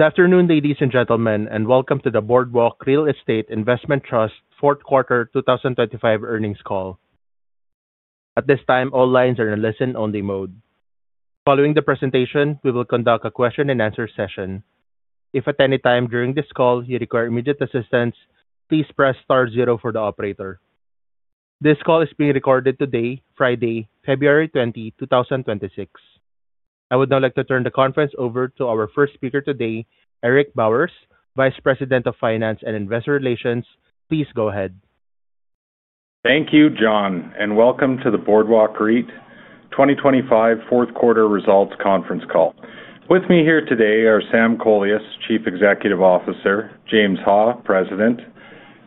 to Good afternoon, ladies and gentlemen, and welcome to the Boardwalk Real Estate Investment Trust Fourth Quarter 2025 Earnings Call. At this time, all lines are in a listen-only mode. Following the presentation, we will conduct a question and answer session. If at any time during this call you require immediate assistance, please press star zero for the operator. This call is being recorded today, Friday, February 20, 2026. I would now like to turn the conference over to our first speaker today, Eric Bowers, Vice President of Finance and Investor Relations. Please go ahead. Thank you, John, and welcome to the Boardwalk REIT 2025 fourth quarter results conference call. With me here today are Sam Kolias, Chief Executive Officer; James Ha, President;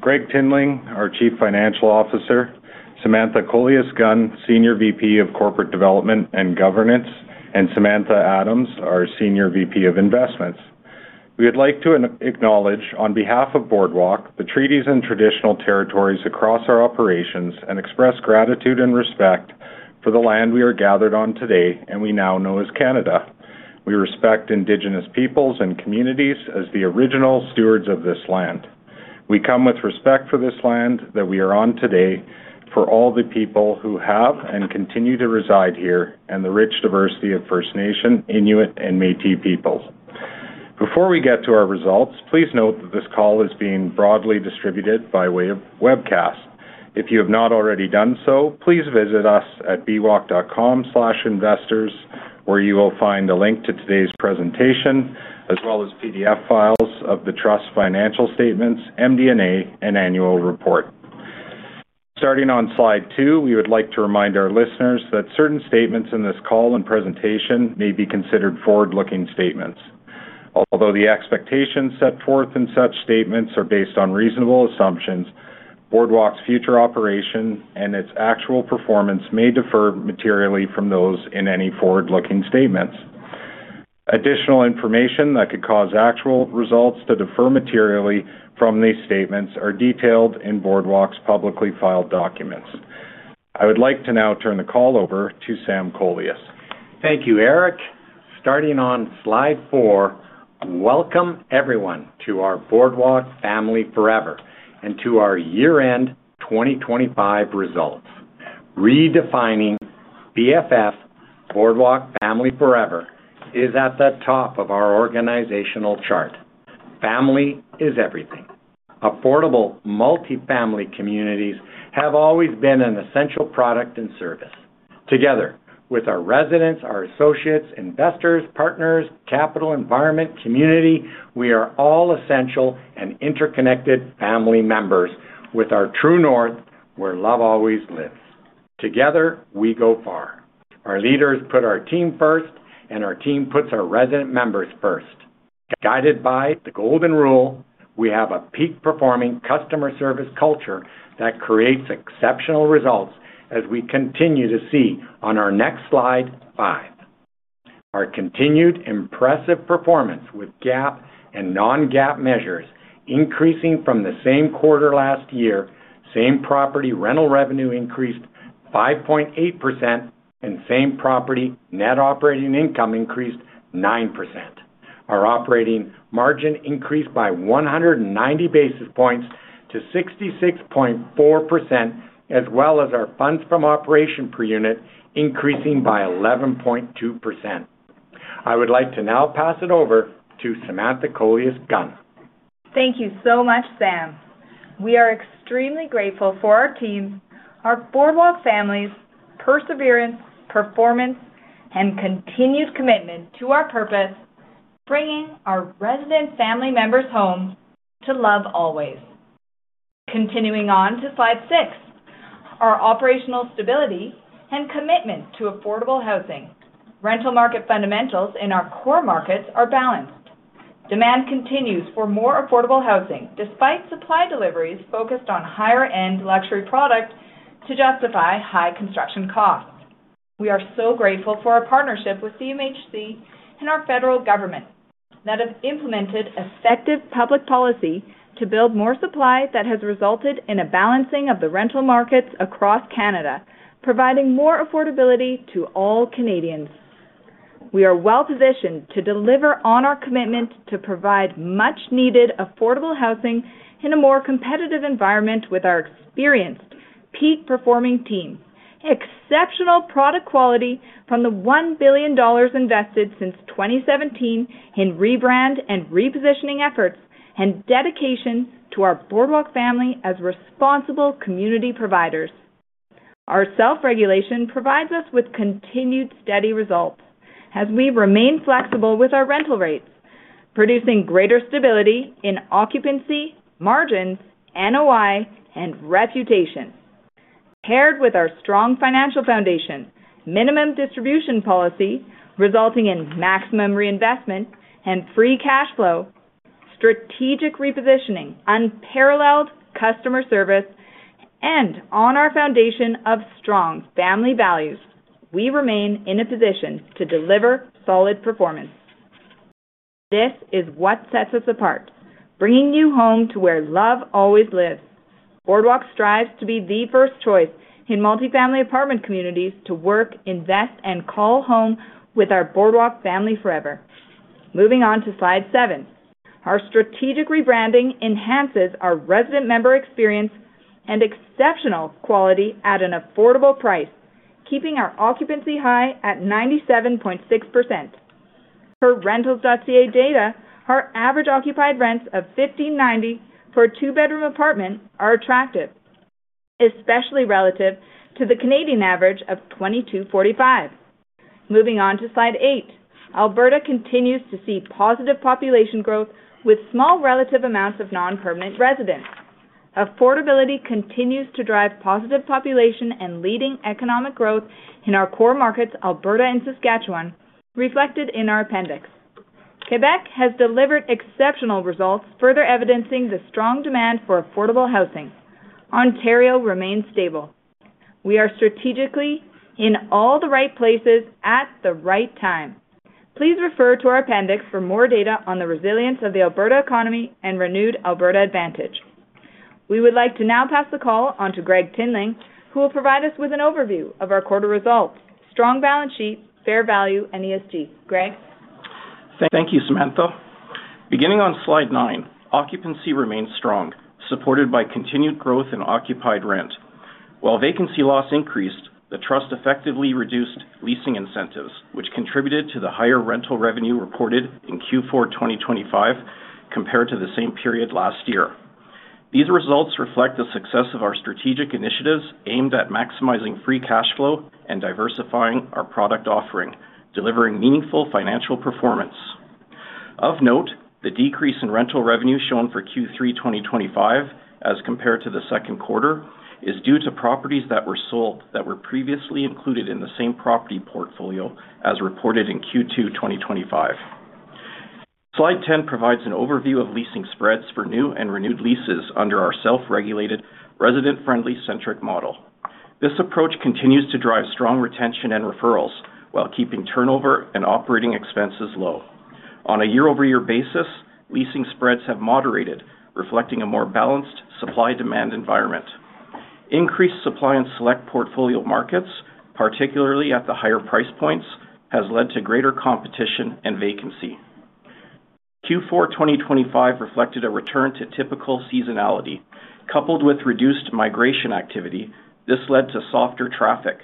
Gregg Tinling, our Chief Financial Officer; Samantha Kolias-Gunn, Senior VP of Corporate Development and Governance; and Samantha Adams, our Senior VP of Investments. We would like to acknowledge on behalf of Boardwalk, the treaties and traditional territories across our operations and express gratitude and respect for the land we are gathered on today and we now know as Canada. We respect Indigenous peoples and communities as the original stewards of this land. We come with respect for this land that we are on today, for all the people who have and continue to reside here, and the rich diversity of First Nation, Inuit, and Métis peoples. Before we get to our results, please note that this call is being broadly distributed by way of webcast. If you have not already done so, please visit us at bwalk.com/investors, where you will find a link to today's presentation, as well as PDF files of the Trust's financial statements, MD&A, and annual report. Starting on slide 2, we would like to remind our listeners that certain statements in this call and presentation may be considered forward-looking statements. Although the expectations set forth in such statements are based on reasonable assumptions, Boardwalk's future operation and its actual performance may differ materially from those in any forward-looking statements. Additional information that could cause actual results to differ materially from these statements are detailed in Boardwalk's publicly filed documents. I would like to now turn the call over to Sam Kolias. Thank you, Eric. Starting on slide 4, welcome everyone to our Boardwalk Family Forever and to our year-end 2025 results. Redefining BFF, Boardwalk Family Forever, is at the top of our organizational chart. Family is everything. Affordable multifamily communities have always been an essential product and service. Together with our residents, our associates, investors, partners, capital, environment, community, we are all essential and interconnected family members with our true north, where love always lives. Together, we go far. Our leaders put our team first, and our team puts our resident members first. Guided by the Golden Rule, we have a peak-performing customer service culture that creates exceptional results, as we continue to see on our next slide, 5. Our continued impressive performance with GAAP and non-GAAP measures, increasing from the same quarter last year, same property rental revenue increased 5.8%, and same property net operating income increased 9%. Our operating margin increased by 190 basis points to 66.4%, as well as our funds from operations per unit increasing by 11.2%. I would like to now pass it over to Samantha Kolias-Gunn. Thank you so much, Sam. We are extremely grateful for our team, our Boardwalk families, perseverance, performance, and continued commitment to our purpose, bringing our resident family members home to love always. Continuing on to slide 6, our operational stability and commitment to affordable housing. Rental market fundamentals in our core markets are balanced. Demand continues for more affordable housing, despite supply deliveries focused on higher-end luxury product to justify high construction costs. We are so grateful for our partnership with CMHC and our federal government that have implemented effective public policy to build more supply that has resulted in a balancing of the rental markets across Canada, providing more affordability to all Canadians. We are well-positioned to deliver on our commitment to provide much-needed affordable housing in a more competitive environment with our experienced peak-performing team. Exceptional product quality from the 1 billion dollars invested since 2017 in rebrand and repositioning efforts and dedication to our Boardwalk family as responsible community providers. Our self-regulation provides us with continued steady results as we remain flexible with our rental rates, producing greater stability in occupancy, margins, NOI, and reputation. Paired with our strong financial foundation, minimum distribution policy resulting in maximum reinvestment and free cash flow, strategic repositioning, unparalleled customer service, and on our foundation of strong family values, we remain in a position to deliver solid performance. This is what sets us apart, bringing you home to where love always lives. Boardwalk strives to be the first choice in multifamily apartment communities to work, invest, and call home with our Boardwalk family forever. Moving on to slide 7. Our strategic rebranding enhances our resident member experience and exceptional quality at an affordable price, keeping our occupancy high at 97.6%. Per Rentals.ca data, our average occupied rents of 1,590 for a two-bedroom apartment are attractive, especially relative to the Canadian average of 2,245. Moving on to slide 8. Alberta continues to see positive population growth with small relative amounts of non-permanent residents. Affordability continues to drive positive population and leading economic growth in our core markets, Alberta and Saskatchewan, reflected in our appendix. Quebec has delivered exceptional results, further evidencing the strong demand for affordable housing. Ontario remains stable. We are strategically in all the right places at the right time. Please refer to our appendix for more data on the resilience of the Alberta economy and renewed Alberta Advantage. We would like to now pass the call on to Gregg Tinling, who will provide us with an overview of our quarter results, strong balance sheet, fair value, and ESG. Gregg? Thank you, Samantha. Beginning on slide 9, occupancy remains strong, supported by continued growth in occupied rent. While vacancy loss increased, the trust effectively reduced leasing incentives, which contributed to the higher rental revenue reported in Q4 2025 compared to the same period last year. These results reflect the success of our strategic initiatives aimed at maximizing free cash flow and diversifying our product offering, delivering meaningful financial performance. Of note, the decrease in rental revenue shown for Q3 2025 as compared to the second quarter, is due to properties that were sold that were previously included in the same property portfolio as reported in Q2 2025. Slide 10 provides an overview of leasing spreads for new and renewed leases under our self-regulated, resident-friendly centric model. This approach continues to drive strong retention and referrals while keeping turnover and operating expenses low. On a year-over-year basis, leasing spreads have moderated, reflecting a more balanced supply-demand environment. Increased supply in select portfolio markets, particularly at the higher price points, has led to greater competition and vacancy. Q4 2025 reflected a return to typical seasonality. Coupled with reduced migration activity, this led to softer traffic,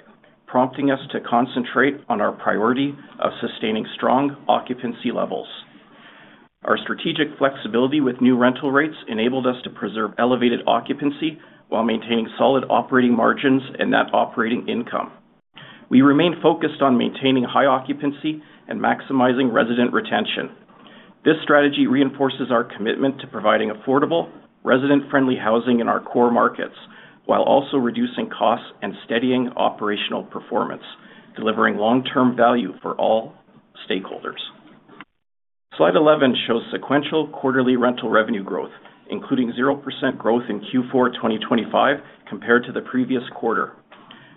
prompting us to concentrate on our priority of sustaining strong occupancy levels. Our strategic flexibility with new rental rates enabled us to preserve elevated occupancy while maintaining solid operating margins and net operating income. We remain focused on maintaining high occupancy and maximizing resident retention. This strategy reinforces our commitment to providing affordable, resident-friendly housing in our core markets, while also reducing costs and steadying operational performance, delivering long-term value for all stakeholders. Slide 11 shows sequential quarterly rental revenue growth, including 0% growth in Q4 2025 compared to the previous quarter.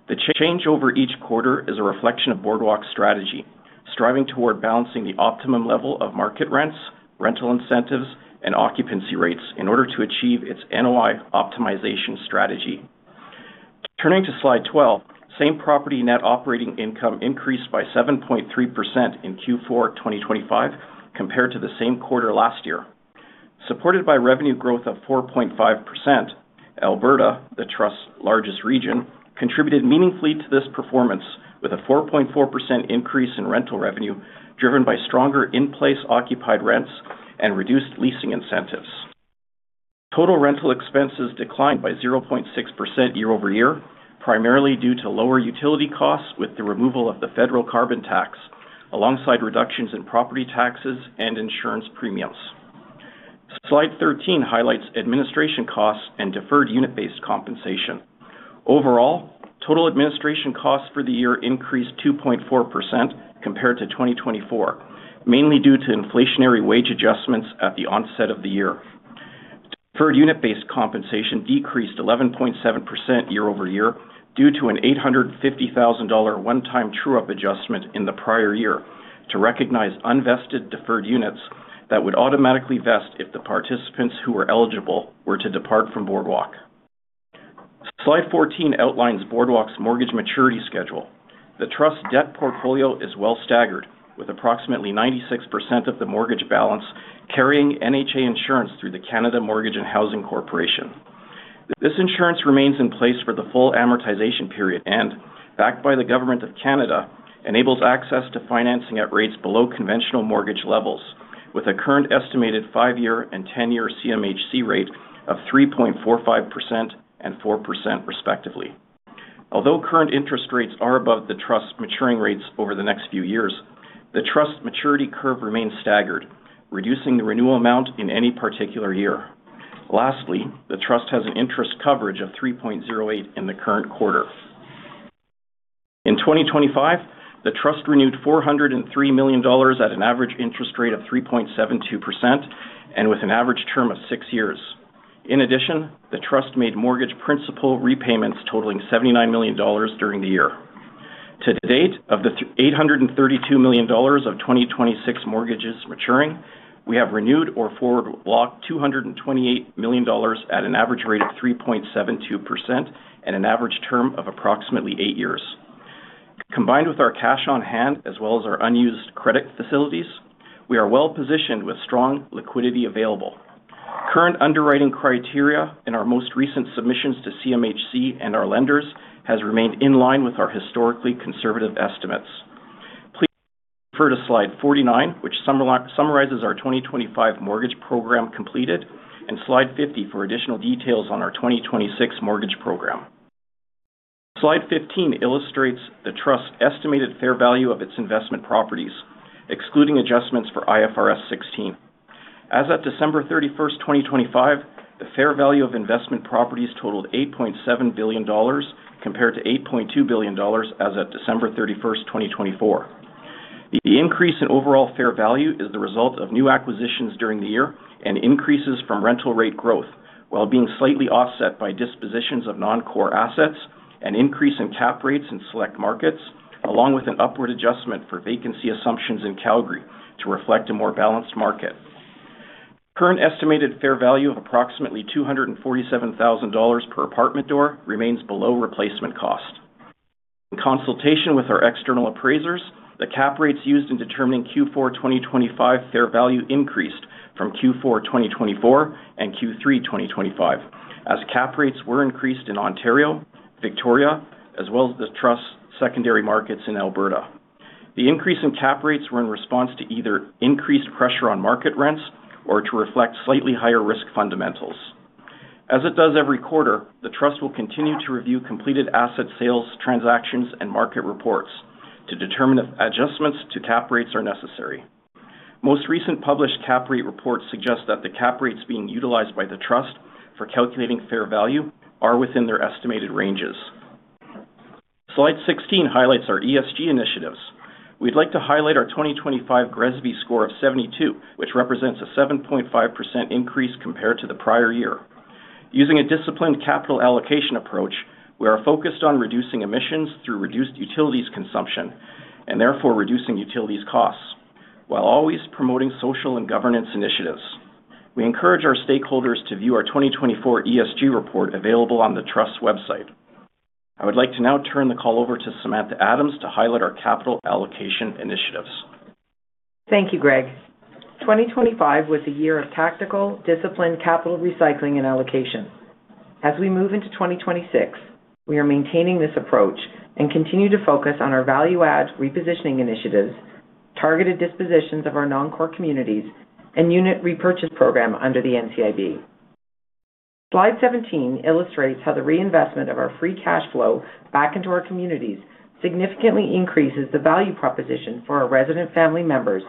The change over each quarter is a reflection of Boardwalk's strategy, striving toward balancing the optimum level of market rents, rental incentives, and occupancy rates in order to achieve its NOI optimization strategy. Turning to slide 12, same-property net operating income increased by 7.3% in Q4 2025 compared to the same quarter last year. Supported by revenue growth of 4.5%, Alberta, the trust's largest region, contributed meaningfully to this performance, with a 4.4% increase in rental revenue, driven by stronger in-place occupied rents and reduced leasing incentives. Total rental expenses declined by 0.6% year-over-year, primarily due to lower utility costs with the removal of the federal carbon tax, alongside reductions in property taxes and insurance premiums. Slide 13 highlights administration costs and deferred unit-based compensation. Overall, total administration costs for the year increased 2.4% compared to 2024, mainly due to inflationary wage adjustments at the onset of the year. Deferred unit-based compensation decreased 11.7% year-over-year due to a 850,000 dollar one-time true-up adjustment in the prior year to recognize unvested deferred units that would automatically vest if the participants who were eligible were to depart from Boardwalk. Slide 14 outlines Boardwalk's mortgage maturity schedule. The trust debt portfolio is well staggered, with approximately 96% of the mortgage balance carrying NHA insurance through the Canada Mortgage and Housing Corporation. This insurance remains in place for the full amortization period and, backed by the government of Canada, enables access to financing at rates below conventional mortgage levels, with a current estimated 5-year and 10-year CMHC rate of 3.45% and 4%, respectively. Although current interest rates are above the trust's maturing rates over the next few years, the trust's maturity curve remains staggered, reducing the renewal amount in any particular year. Lastly, the trust has an interest coverage of 3.08 in the current quarter. In 2025, the trust renewed 403 million dollars at an average interest rate of 3.72% and with an average term of 6 years. In addition, the trust made mortgage principal repayments totaling 79 million dollars during the year. To date, of the 832 million dollars of 2026 mortgages maturing, we have renewed or forward blocked 228 million dollars at an average rate of 3.72% and an average term of approximately eight years. Combined with our cash on hand, as well as our unused credit facilities, we are well-positioned with strong liquidity available. Current underwriting criteria in our most recent submissions to CMHC and our lenders has remained in line with our historically conservative estimates. Please refer to slide 49, which summarizes our 2025 mortgage program completed, and slide 50 for additional details on our 2026 mortgage program. Slide 15 illustrates the trust's estimated fair value of its investment properties, excluding adjustments for IFRS 16. As of December 31, 2025, the fair value of investment properties totaled 8.7 billion dollars, compared to 8.2 billion dollars as of December 31, 2024. The increase in overall fair value is the result of new acquisitions during the year and increases from rental rate growth, while being slightly offset by dispositions of non-core assets, an increase in cap rates in select markets, along with an upward adjustment for vacancy assumptions in Calgary to reflect a more balanced market. Current estimated fair value of approximately 247,000 dollars per apartment door remains below replacement cost. In consultation with our external appraisers, the cap rates used in determining Q4 2025 fair value increased from Q4 2024 and Q3 2025, as cap rates were increased in Ontario, Victoria, as well as the trust's secondary markets in Alberta. The increase in cap rates were in response to either increased pressure on market rents or to reflect slightly higher risk fundamentals. As it does every quarter, the trust will continue to review completed asset sales, transactions, and market reports to determine if adjustments to cap rates are necessary. Most recent published cap rate reports suggest that the cap rates being utilized by the trust for calculating fair value are within their estimated ranges. Slide 16 highlights our ESG initiatives. We'd like to highlight our 2025 GRESB score of 72, which represents a 7.5% increase compared to the prior year. Using a disciplined capital allocation approach, we are focused on reducing emissions through reduced utilities consumption, and therefore reducing utilities costs, while always promoting social and governance initiatives. We encourage our stakeholders to view our 2024 ESG report, available on the trust's website. I would like to now turn the call over to Samantha Adams to highlight our capital allocation initiatives. Thank you, Gregg. 2025 was a year of tactical, disciplined capital recycling and allocation. As we move into 2026, we are maintaining this approach and continue to focus on our value-add repositioning initiatives, targeted dispositions of our non-core communities, and unit repurchase program under the NCIB. Slide 17 illustrates how the reinvestment of our free cash flow back into our communities significantly increases the value proposition for our resident family members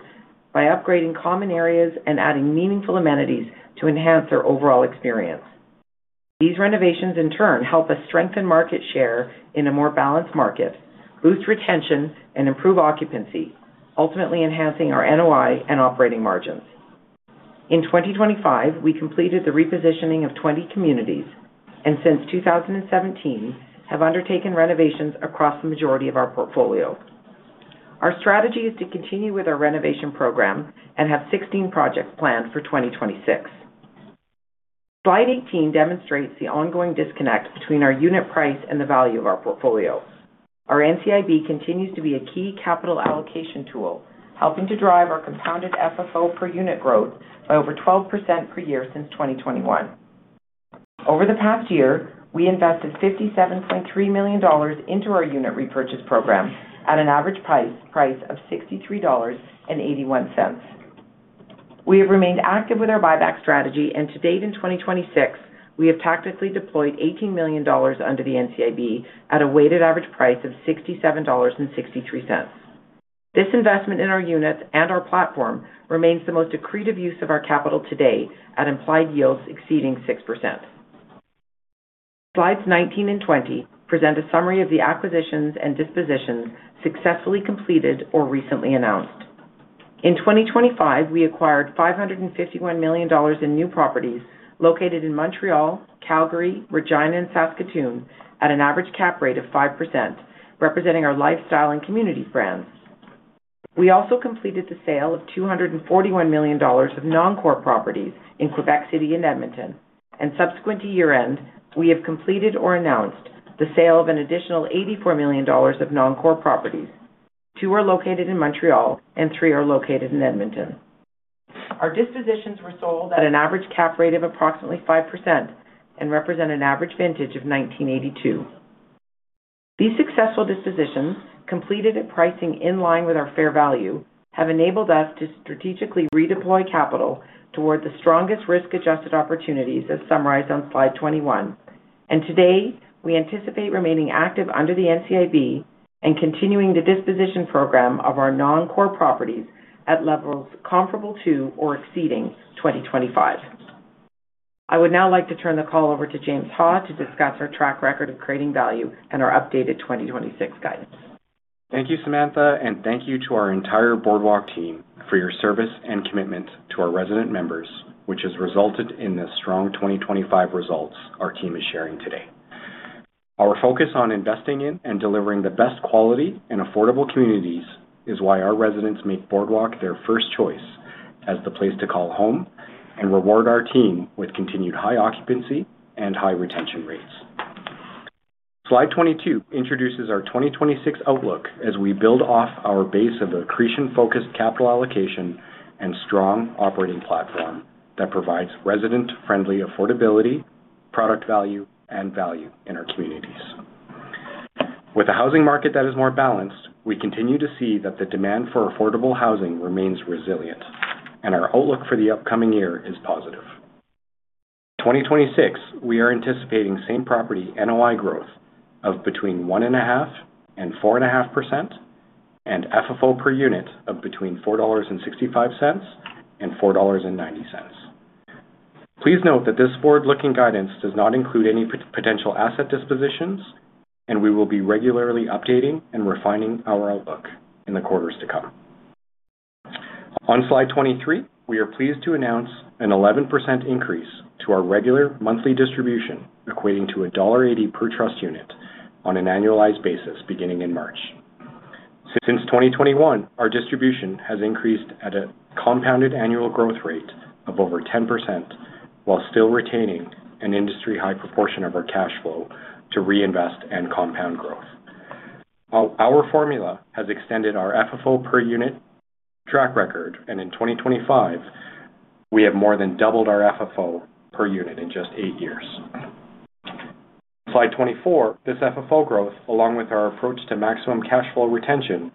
by upgrading common areas and adding meaningful amenities to enhance their overall experience. These renovations, in turn, help us strengthen market share in a more balanced market, boost retention, and improve occupancy, ultimately enhancing our NOI and operating margins. In 2025, we completed the repositioning of 20 communities, and since 2017, have undertaken renovations across the majority of our portfolio. Our strategy is to continue with our renovation program and have 16 projects planned for 2026. Slide 18 demonstrates the ongoing disconnect between our unit price and the value of our portfolio. Our NCIB continues to be a key capital allocation tool, helping to drive our compounded FFO per unit growth by over 12% per year since 2021. Over the past year, we invested 57.3 million dollars into our unit repurchase program at an average price, price of 63.81 dollars. We have remained active with our buyback strategy, and to date, in 2026, we have tactically deployed 18 million dollars under the NCIB at a weighted average price of 67.63 dollars. This investment in our units and our platform remains the most accretive use of our capital today, at implied yields exceeding 6%. Slides 19 and 20 present a summary of the acquisitions and dispositions successfully completed or recently announced. In 2025, we acquired 551 million dollars in new properties located in Montreal, Calgary, Regina, and Saskatoon at an average cap rate of 5%, representing our lifestyle and community brands. We also completed the sale of 241 million dollars of non-core properties in Quebec City and Edmonton, and subsequent to year-end, we have completed or announced the sale of an additional 84 million dollars of non-core properties. Two are located in Montreal and three are located in Edmonton. Our dispositions were sold at an average cap rate of approximately 5% and represent an average vintage of 1982. These successful dispositions, completed at pricing in line with our fair value, have enabled us to strategically redeploy capital toward the strongest risk-adjusted opportunities, as summarized on slide 21. And today, we anticipate remaining active under the NCIB and continuing the disposition program of our non-core properties at levels comparable to or exceeding 2025. I would now like to turn the call over to James Ha to discuss our track record of creating value and our updated 2026 guidance. Thank you, Samantha, and thank you to our entire Boardwalk team for your service and commitment to our resident members which has resulted in the strong 2025 results our team is sharing today. Our focus on investing in and delivering the best quality and affordable communities is why our residents make Boardwalk their first choice as the place to call home, and reward our team with continued high occupancy and high retention rates. Slide 22 introduces our 2026 outlook as we build off our base of accretion-focused capital allocation and strong operating platform that provides resident-friendly affordability, product value, and value in our communities. With a housing market that is more balanced, we continue to see that the demand for affordable housing remains resilient, and our outlook for the upcoming year is positive. In 2026, we are anticipating same-property NOI growth of between 1.5% and 4.5%, and FFO per unit of between 4.65 dollars and 4.90 dollars. Please note that this forward-looking guidance does not include any potential asset dispositions, and we will be regularly updating and refining our outlook in the quarters to come. On slide 23, we are pleased to announce an 11% increase to our regular monthly distribution, equating to dollar 1.80 per trust unit on an annualized basis beginning in March. Since 2021, our distribution has increased at a compounded annual growth rate of over 10%, while still retaining an industry-high proportion of our cash flow to reinvest and compound growth. Our formula has extended our FFO per unit track record, and in 2025, we have more than doubled our FFO per unit in just eight years. Slide 24, this FFO growth, along with our approach to maximum cash flow retention,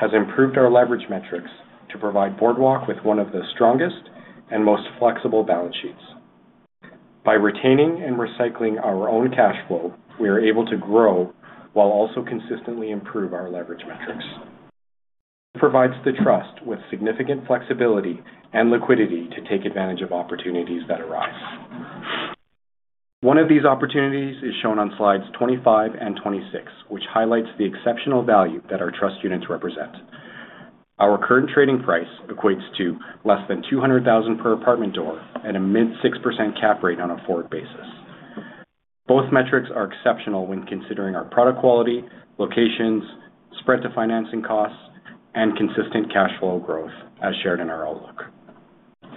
has improved our leverage metrics to provide Boardwalk with one of the strongest and most flexible balance sheets. By retaining and recycling our own cash flow, we are able to grow while also consistently improve our leverage metrics. This provides the trust with significant flexibility and liquidity to take advantage of opportunities that arise. One of these opportunities is shown on slides 25 and 26, which highlights the exceptional value that our trust units represent. Our current trading price equates to less than 200,000 per apartment door at a mid 6% cap rate on a forward basis. Both metrics are exceptional when considering our product quality, locations, spread to financing costs, and consistent cash flow growth, as shared in our outlook.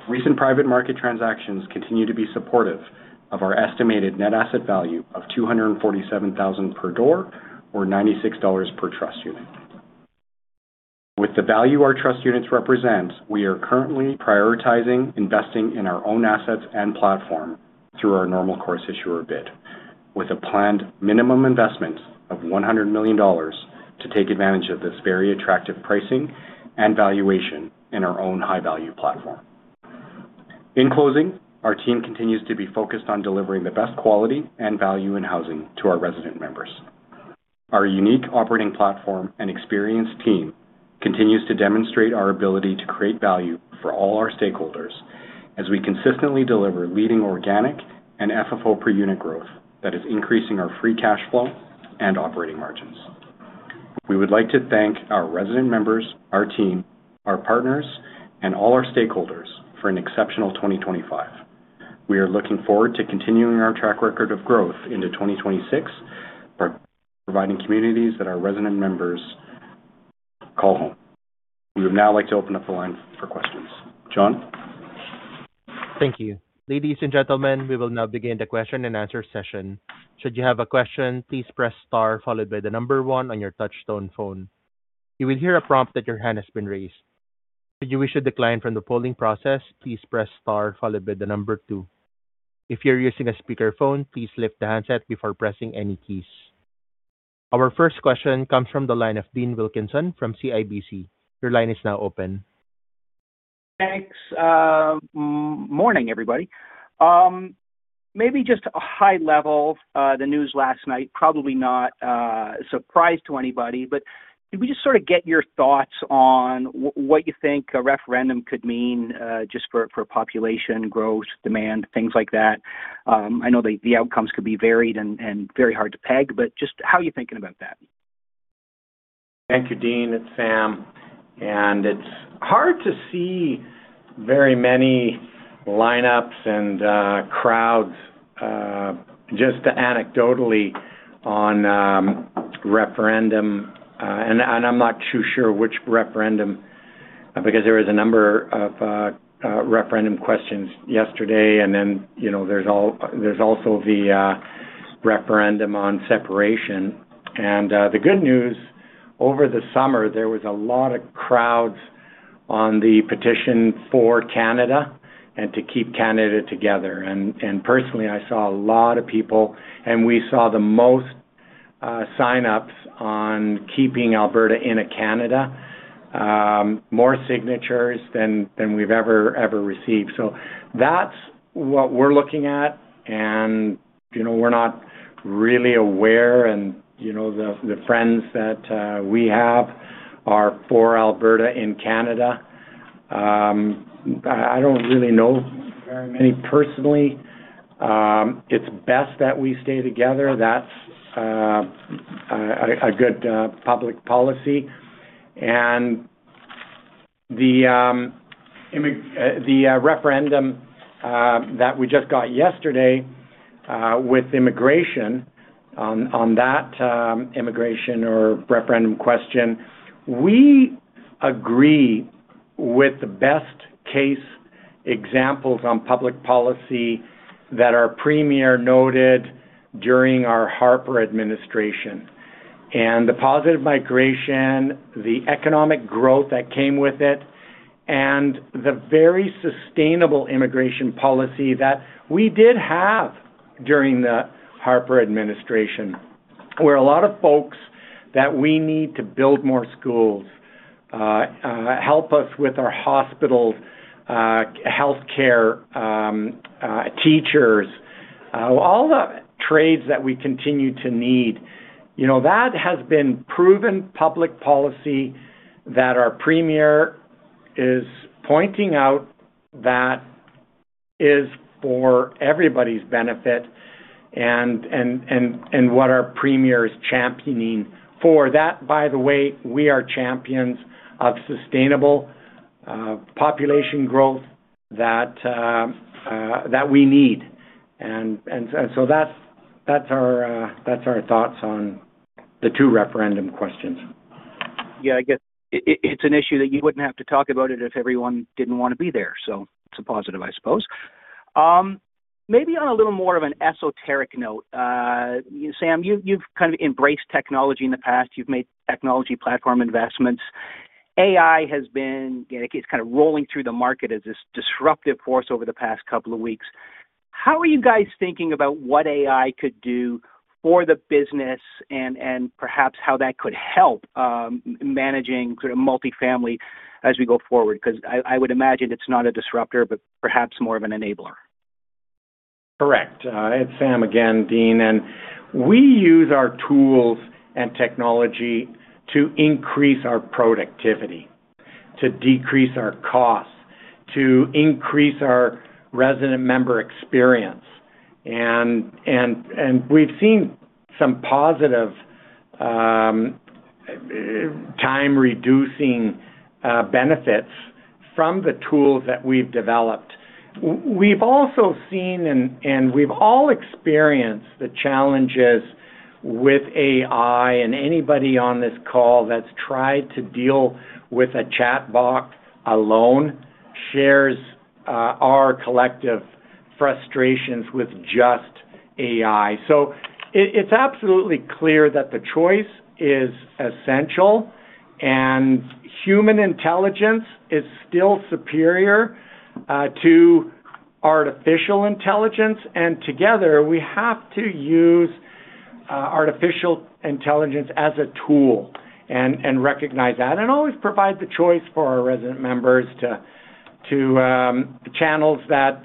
Recent private market transactions continue to be supportive of our estimated net asset value of 247,000 per door or 96 dollars per trust unit. With the value our trust units represent, we are currently prioritizing investing in our own assets and platform through our normal course issuer bid, with a planned minimum investment of 100 million dollars to take advantage of this very attractive pricing and valuation in our own high-value platform. In closing, our team continues to be focused on delivering the best quality and value in housing to our resident members. Our unique operating platform and experienced team continues to demonstrate our ability to create value for all our stakeholders as we consistently deliver leading organic and FFO per unit growth that is increasing our free cash flow and operating margins. We would like to thank our resident members, our team, our partners, and all our stakeholders for an exceptional 2025. We are looking forward to continuing our track record of growth into 2026, providing communities that our resident members call home. We would now like to open up the line for questions. John? Thank you. Ladies and gentlemen, we will now begin the question and answer session. Should you have a question, please press Star followed by the number one on your touch-tone phone. You will hear a prompt that your hand has been raised. Should you wish to decline from the polling process, please press Star followed by the number two. If you're using a speakerphone, please lift the handset before pressing any keys. Our first question comes from the line of Dean Wilkinson from CIBC. Your line is now open. Thanks, morning, everybody. Maybe just a high level, the news last night, probably not a surprise to anybody, but can we just sort of get your thoughts on what you think a referendum could mean, just for population growth, demand, things like that? I know the outcomes could be varied and very hard to peg, but just how are you thinking about that? Thank you, Dean. It's Sam, and it's hard to see very many lineups and crowds, just anecdotally on referendum. I'm not too sure which referendum, because there was a number of referendum questions yesterday, and then, you know, there's also the referendum on separation. The good news, over the summer, there was a lot of crowds on the petition for Canada and to keep Canada together. Personally, I saw a lot of people, and we saw the most sign-ups on keeping Alberta in a Canada, more signatures than we've ever received. So that's what we're looking at, and, you know, we're not really aware and, you know, the friends that we have are for Alberta in Canada. I don't really know very many personally. It's best that we stay together. That's a good public policy. And the referendum that we just got yesterday with immigration, on that immigration or referendum question, we agree with the best-case examples on public policy that our premier noted during our Harper administration. And the positive migration, the economic growth that came with it, and the very sustainable immigration policy that we did have during the Harper administration, where a lot of folks that we need to build more schools, help us with our hospitals, healthcare, teachers, all the trades that we continue to need. You know, that has been proven public policy that our premier is pointing out that is for everybody's benefit, and what our premier is championing. For that, by the way, we are champions of sustainable population growth that we need. So that's our thoughts on the two referendum questions. Yeah, I guess it's an issue that you wouldn't have to talk about it if everyone didn't want to be there, so it's a positive, I suppose. Maybe on a little more of an esoteric note, Sam, you've kind of embraced technology in the past. You've made technology platform investments. AI has been-- It's kind of rolling through the market as this disruptive force over the past couple of weeks. How are you guys thinking about what AI could do for the business and perhaps how that could help managing sort of multifamily as we go forward? 'Cause I would imagine it's not a disruptor, but perhaps more of an enabler. Correct. It's Sam again, Dean, and we use our tools and technology to increase our productivity, to decrease our costs, to increase our resident member experience. We've seen some positive time-reducing benefits from the tools that we've developed. We've also seen and we've all experienced the challenges with AI, and anybody on this call that's tried to deal with a chatbot alone shares our collective frustrations with just AI. So it's absolutely clear that the choice is essential, and human intelligence is still superior to artificial intelligence, and together, we have to use artificial intelligence as a tool and recognize that. Always provide the choice for our resident members to channels that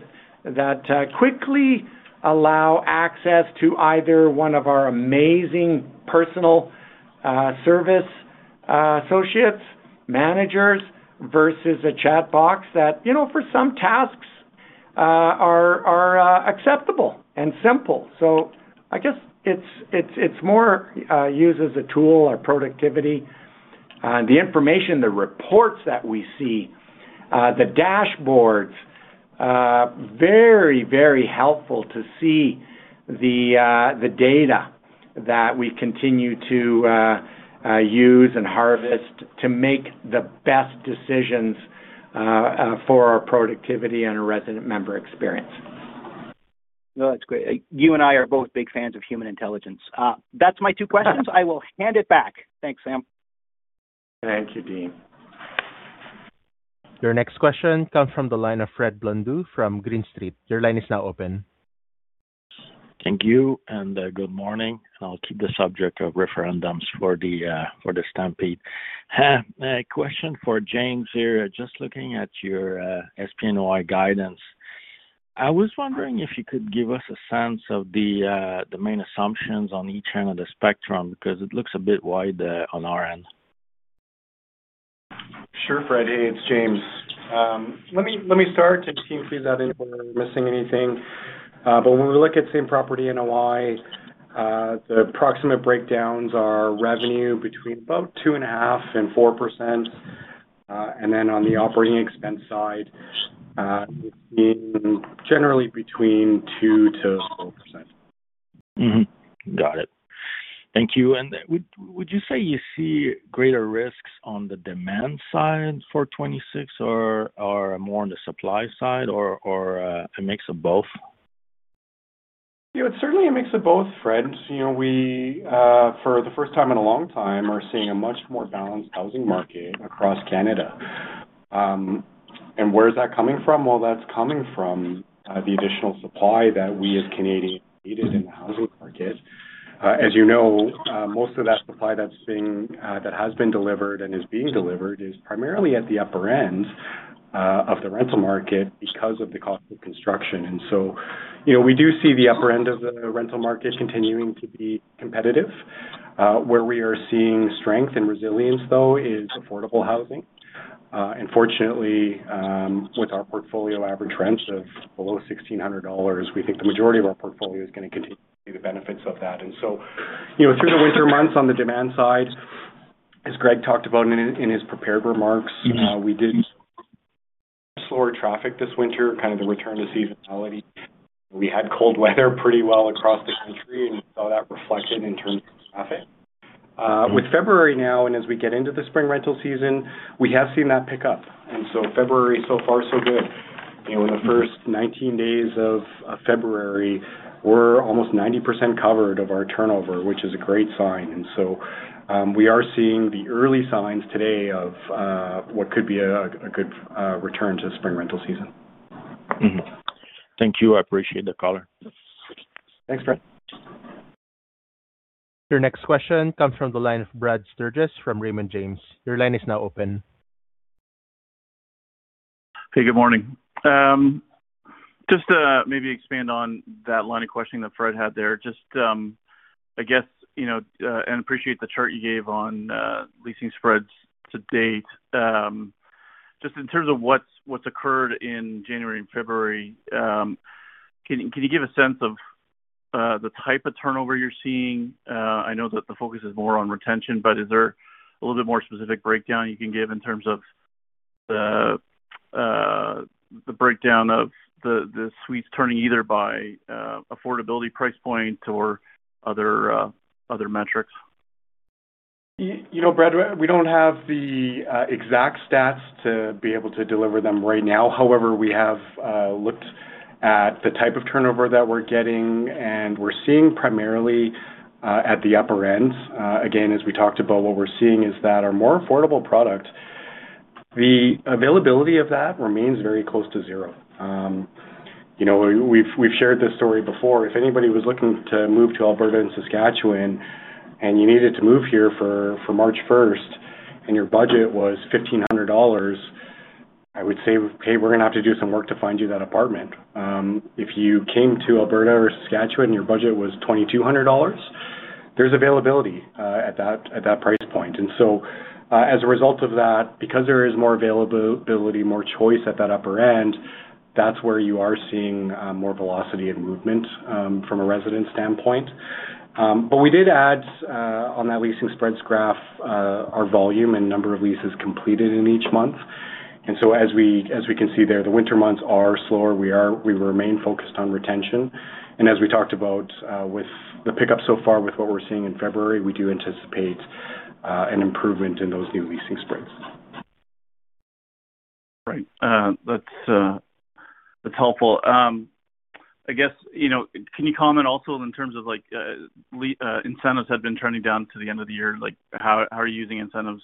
quickly allow access to either one of our amazing personal service associates, managers, versus a chat box that, you know, for some tasks are acceptable and simple. So I guess it's more used as a tool or productivity. The information, the reports that we see, the dashboards, very, very helpful to see the data that we continue to use and harvest to make the best decisions for our productivity and our resident member experience. No, that's great. You and I are both big fans of human intelligence. That's my two questions. I will hand it back. Thanks, Sam. Thank you, Dean. Your next question comes from the line of Fred Blondeau from Green Street. Your line is now open. Thank you, and, good morning. I'll keep the subject of referendums for the, for the stampede. A question for James here. Just looking at your, SPNOI guidance, I was wondering if you could give us a sense of the, the main assumptions on each end of the spectrum, because it looks a bit wide, on our end. Sure, Fred. Hey, it's James. Let me start, and you can feed that in if I'm missing anything. But when we look at Same Property NOI, the approximate breakdowns are revenue between about 2.5% and 4%. And then on the operating expense side, we've seen generally between 2%-4%. Got it. Thank you. And would you say you see greater risks on the demand side for 2026 or more on the supply side, or a mix of both? Yeah, it's certainly a mix of both, Fred. You know, we for the first time in a long time are seeing a much more balanced housing market across Canada. And where is that coming from? Well, that's coming from the additional supply that we as Canadians needed in the housing market. As you know, most of that supply that has been delivered and is being delivered is primarily at the upper end of the rental market because of the cost of construction. And so, you know, we do see the upper end of the rental market continuing to be competitive. Where we are seeing strength and resilience, though, is affordable housing. And fortunately, with our portfolio average rents of below 1,600 dollars, we think the majority of our portfolio is going to continue to see the benefits of that. And so, you know, through the winter months, on the demand side, as Gregg talked about in his prepared remarks, we did slower traffic this winter, kind of the return to seasonality. We had cold weather pretty well across the country, and we saw that reflected in terms of traffic. With February now, and as we get into the spring rental season, we have seen that pick up. And so February, so far, so good. You know, in the first 19 days of February, we're almost 90% covered of our turnover, which is a great sign. And so, we are seeing the early signs today of what could be a good return to spring rental season. Thank you. I appreciate the call. Thanks, Fred. Your next question comes from the line of Brad Sturges from Raymond James. Your line is now open. Hey, good morning. Just to maybe expand on that line of questioning that Fred had there, just, I guess, you know, and appreciate the chart you gave on, leasing spreads to date. Just in terms of what's, what's occurred in January and February, can, can you give a sense of, the type of turnover you're seeing? I know that the focus is more on retention, but is there a little bit more specific breakdown you can give in terms of the, the breakdown of the, the suites turning either by, affordability, price point, or other, other metrics? You know, Brad, we don't have the exact stats to be able to deliver them right now. However, we have looked at the type of turnover that we're getting, and we're seeing primarily at the upper end. Again, as we talked about, what we're seeing is that our more affordable product, the availability of that remains very close to zero. You know, we've shared this story before. If anybody was looking to move to Alberta and Saskatchewan, and you needed to move here for March first, and your budget was 1,500 dollars, I would say, "Hey, we're going to have to do some work to find you that apartment." If you came to Alberta or Saskatchewan, and your budget was 2,200 dollars, there's availability at that price point. As a result of that, because there is more availability, more choice at that upper end, that's where you are seeing more velocity and movement from a resident standpoint. But we did add on that leasing spreads graph our volume and number of leases completed in each month. As we can see there, the winter months are slower. We remain focused on retention. And as we talked about, with the pickup so far, with what we're seeing in February, we do anticipate an improvement in those new leasing spreads. Right. That's helpful. I guess, you know, can you comment also in terms of, like, incentives had been turning down to the end of the year? Like, how are you using incentives,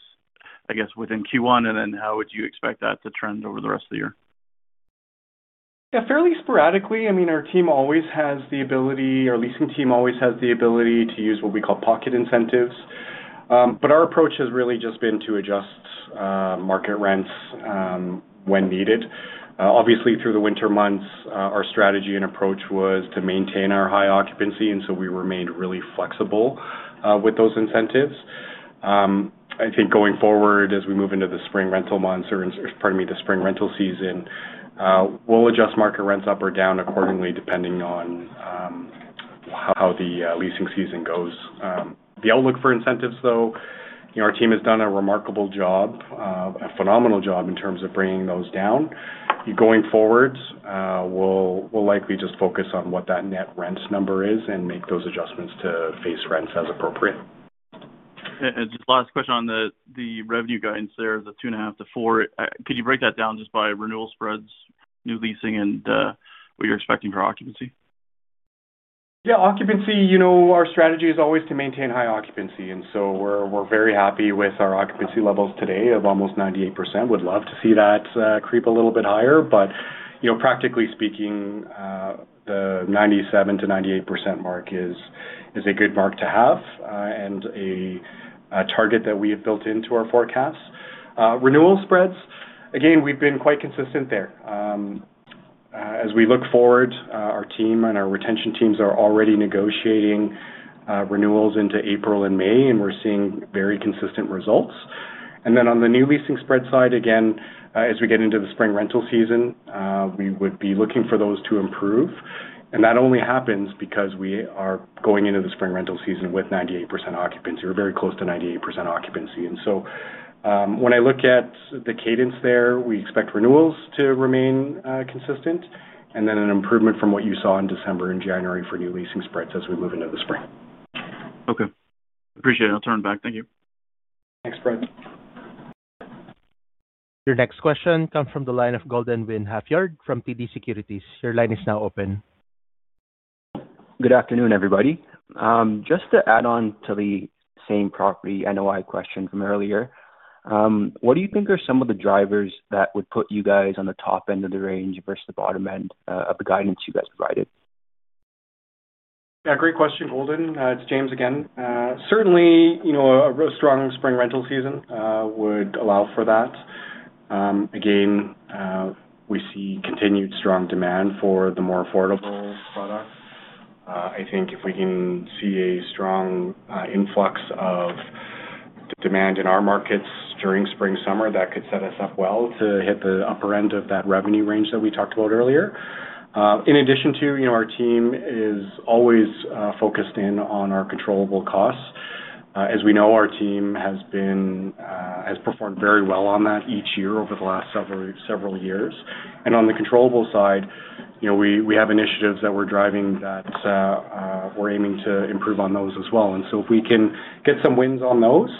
I guess, within Q1, and then how would you expect that to trend over the rest of the year? Yeah, fairly sporadically. I mean, our team always has the ability, our leasing team always has the ability to use what we call pocket incentives. But our approach has really just been to adjust market rents when needed. Obviously, through the winter months, our strategy and approach was to maintain our high occupancy, and so we remained really flexible with those incentives. I think going forward, as we move into the spring rental months, or pardon me, the spring rental season, we'll adjust market rents up or down accordingly, depending on how the leasing season goes. The outlook for incentives, though, you know, our team has done a remarkable job, a phenomenal job in terms of bringing those down. Going forward, we'll likely just focus on what that net rents number is and make those adjustments to face rents as appropriate. Just last question on the revenue guidance there, the 2.5%-4%. Could you break that down just by renewal spreads, new leasing, and what you're expecting for occupancy? Yeah, occupancy, you know, our strategy is always to maintain high occupancy, and so we're very happy with our occupancy levels today of almost 98%. Would love to see that creep a little bit higher, but, you know, practically speaking, the 97%-98% mark is a good mark to have, and a target that we have built into our forecast. Renewal spreads, again, we've been quite consistent there. As we look forward, our team and our retention teams are already negotiating renewals into April and May, and we're seeing very consistent results. And then on the new leasing spread side, again, as we get into the spring rental season, we would be looking for those to improve. And that only happens because we are going into the spring rental season with 98% occupancy. We're very close to 98% occupancy. And so, when I look at the cadence there, we expect renewals to remain, consistent, and then an improvement from what you saw in December and January for new leasing spreads as we move into the spring. Okay, appreciate it. I'll turn it back. Thank you. Thanks, Brad. Your next question comes from the line of Jonathan Kelcher from TD Securities. Your line is now open. Good afternoon, everybody. Just to add on to the same property NOI question from earlier, what do you think are some of the drivers that would put you guys on the top end of the range versus the bottom end of the guidance you guys provided? Yeah, great question, Jonathan. It's James again. Certainly, you know, a strong spring rental season would allow for that. Again, we see continued strong demand for the more affordable products. I think if we can see a strong influx of demand in our markets during spring, summer, that could set us up well to hit the upper end of that revenue range that we talked about earlier. In addition to, you know, our team is always focused in on our controllable costs. As we know, our team has been, has performed very well on that each year over the last several, several years. And on the controllable side, you know, we, we have initiatives that we're driving that, we're aiming to improve on those as well. And so if we can get some wins on those,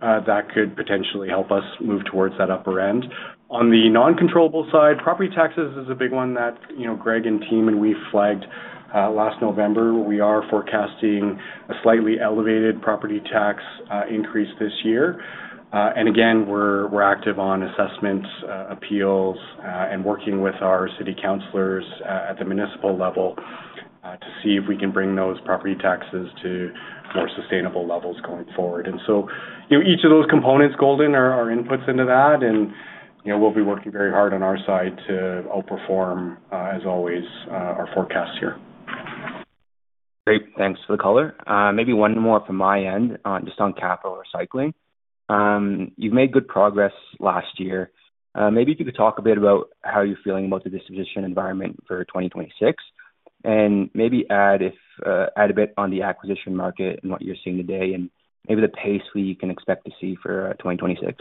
that could potentially help us move towards that upper end. On the non-controllable side, property taxes is a big one that, you know, Gregg and team and we flagged, last November. We are forecasting a slightly elevated property tax, increase this year. And again, we're active on assessments, appeals, and working with our city councilors, at the municipal level, to see if we can bring those property taxes to more sustainable levels going forward. And so, you know, each of those components, Golden, are inputs into that, and, you know, we'll be working very hard on our side to outperform, as always, our forecasts here. Great, thanks for the color. Maybe one more from my end on, just on capital recycling. You've made good progress last year. Maybe if you could talk a bit about how you're feeling about the disposition environment for 2026, and maybe add if, add a bit on the acquisition market and what you're seeing today, and maybe the pace we can expect to see for 2026.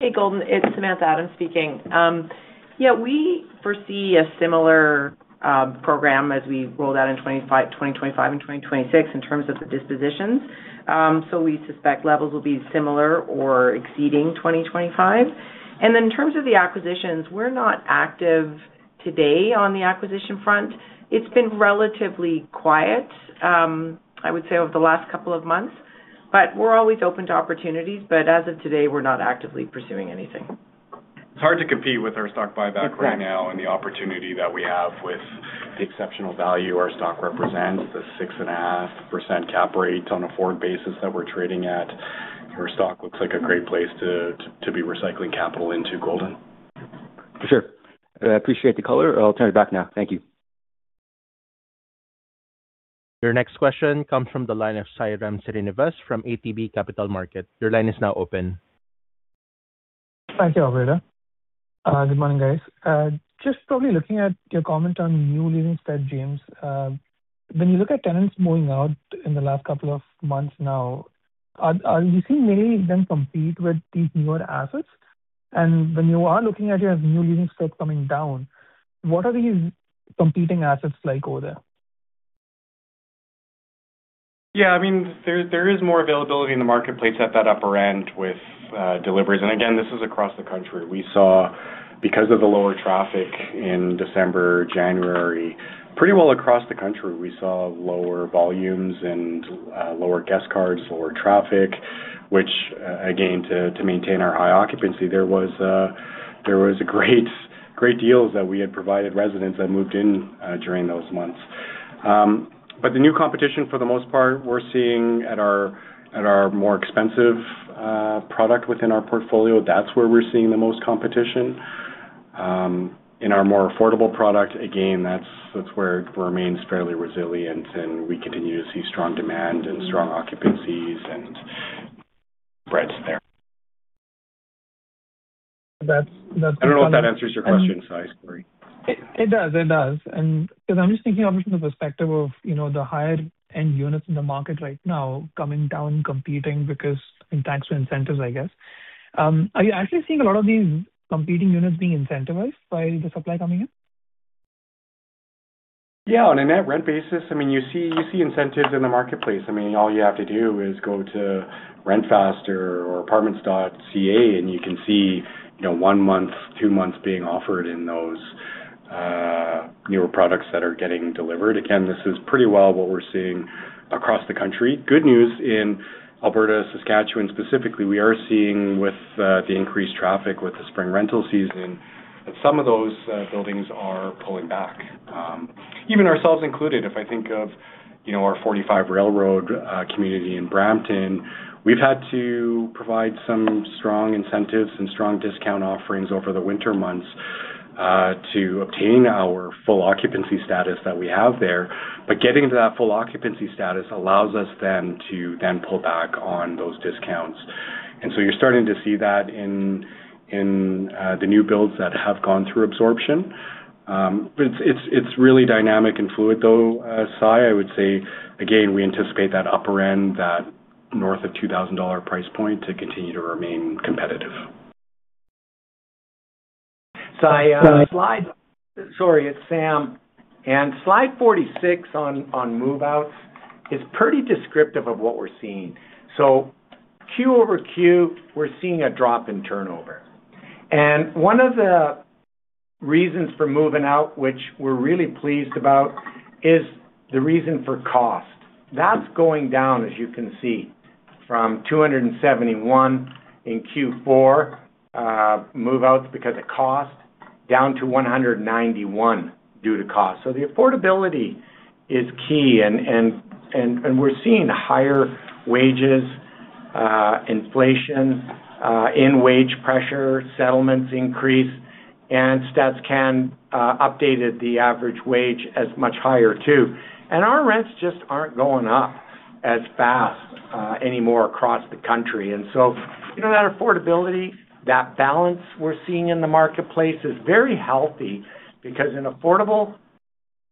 Hey, Jonathan Kelcher, it's Samantha Adams speaking. Yeah, we foresee a similar program as we rolled out in 2025, 2025 and 2026 in terms of the dispositions. So we suspect levels will be similar or exceeding 2025. And then, in terms of the acquisitions, we're not active today on the acquisition front. It's been relatively quiet, I would say, over the last couple of months. But we're always open to opportunities, but as of today, we're not actively pursuing anything. It's hard to compete with our stock buyback right now, and the opportunity that we have with the exceptional value our stock represents, the 6.5% cap rate on a forward basis that we're trading at. Our stock looks like a great place to be recycling capital into Boardwalk. Sure. I appreciate the color. I'll turn it back now. Thank you. Your next question comes from the line of Sairam Srinivas from ATB Capital Markets. Your line is now open. Thank you, operator. Good morning, guys. Just probably looking at your comment on new leasing spread, James, when you look at tenants moving out in the last couple of months now, are you seeing many of them compete with these newer assets? And when you are looking at your new leasing spread coming down, what are these competing assets like over there? Yeah, I mean, there is more availability in the marketplace at that upper end with deliveries. And again, this is across the country. We saw because of the lower traffic in December, January, pretty well across the country, we saw lower volumes and lower guest cards, lower traffic, which, again, to maintain our high occupancy, there was great deals that we had provided residents that moved in during those months. But the new competition, for the most part, we're seeing at our more expensive product within our portfolio, that's where we're seeing the most competition. In our more affordable product, again, that's where it remains fairly resilient, and we continue to see strong demand and strong occupancies and spreads there. That's, that's-- I don't know if that answers your question, Sai, sorry. It does. It does. And because I'm just thinking of it from the perspective of, you know, the higher-end units in the market right now coming down, competing, because, thanks to incentives, I guess. Are you actually seeing a lot of these competing units being incentivized by the supply coming in? Yeah, on a net rent basis, I mean, you see, you see incentives in the marketplace. I mean, all you have to do is go to RentFaster or Apartments.ca, and you can see, you know, one month, two months being offered in those newer products that are getting delivered. Again, this is pretty well what we're seeing across the country. Good news in Alberta, Saskatchewan, specifically, we are seeing with the increased traffic with the spring rental season, that some of those buildings are pulling back. Even ourselves included, if I think of, you know, our 45 Railroad community in Brampton, we've had to provide some strong incentives and strong discount offerings over the winter months to obtain our full occupancy status that we have there. But getting to that full occupancy status allows us then to then pull back on those discounts. So you're starting to see that in the new builds that have gone through absorption. But it's really dynamic and fluid, though, Sai. I would say again, we anticipate that upper end, that north of 2,000 dollar price point, to continue to remain competitive. Sai, sorry, it's Sam. Slide 46 on move-outs is pretty descriptive of what we're seeing. So Q-over-Q, we're seeing a drop in turnover. One of the reasons for moving out, which we're really pleased about, is the reason for cost. That's going down, as you can see, from 271 in Q4 move-outs because of cost, down to 191 due to cost. So the affordability is key, and we're seeing higher wages, inflation in wage pressure, settlements increase, and StatCan updated the average wage as much higher, too. And our rents just aren't going up as fast anymore across the country. And so, you know, that affordability, that balance we're seeing in the marketplace, is very healthy because an affordable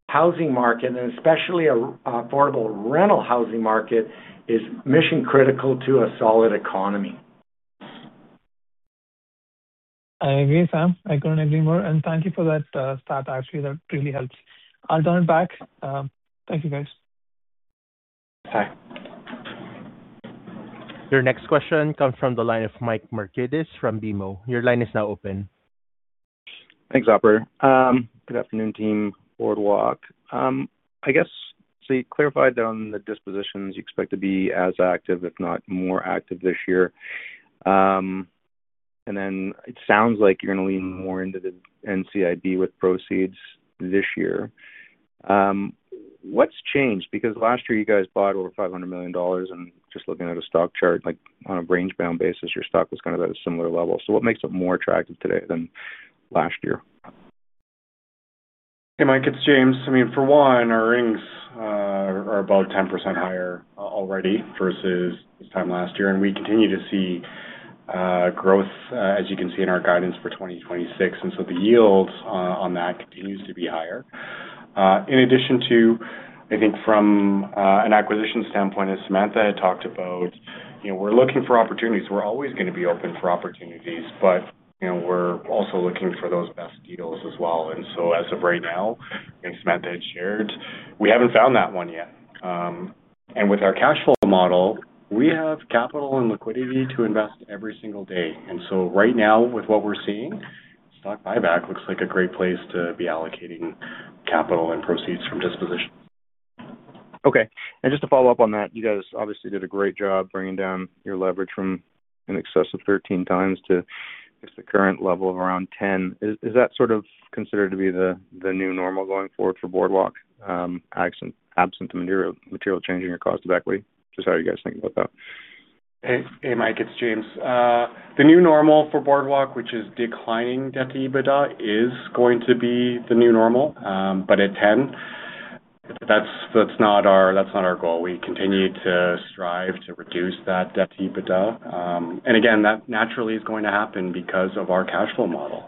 housing market, and especially an affordable rental housing market, is mission-critical to a solid economy. I agree, Sam. I couldn't agree more, and thank you for that stat. Actually, that really helps. I'll turn it back. Thank you, guys. Bye. Your next question comes from the line of Mike Markidis from BMO. Your line is now open. Thanks, operator. Good afternoon, team Boardwalk. I guess, so you clarified on the dispositions you expect to be as active, if not more active this year. And then it sounds like you're gonna lean more into the NCIB with proceeds this year. What's changed? Because last year you guys bought over 500 million dollars, and just looking at a stock chart, like, on a range-bound basis, your stock was kind of at a similar level. So what makes it more attractive today than last year? Hey, Mike, it's James. I mean, for one, our rents are about 10% higher already versus this time last year, and we continue to see growth as you can see in our guidance for 2026. And so the yields on that continues to be higher. In addition to, I think from an acquisition standpoint, as Samantha had talked about, you know, we're looking for opportunities. We're always gonna be open for opportunities, but, you know, we're also looking for those best deals as well. And so as of right now, and Samantha had shared, we haven't found that one yet. And with our cash flow model, we have capital and liquidity to invest every single day. And so right now, with what we're seeing, stock buyback looks like a great place to be allocating capital and proceeds from disposition. Okay. And just to follow up on that, you guys obviously did a great job bringing down your leverage from in excess of 13x to just the current level of around 10x. Is, is that sort of considered to be the, the new normal going forward for Boardwalk? Absent, absent the material, material change in your cost of equity. Just how you guys think about that. Hey, hey, Mike, it's James. The new normal for Boardwalk, which is declining debt to EBITDA, is going to be the new normal. But at 10x, that's not our goal. We continue to strive to reduce that debt to EBITDA. And again, that naturally is going to happen because of our cash flow model,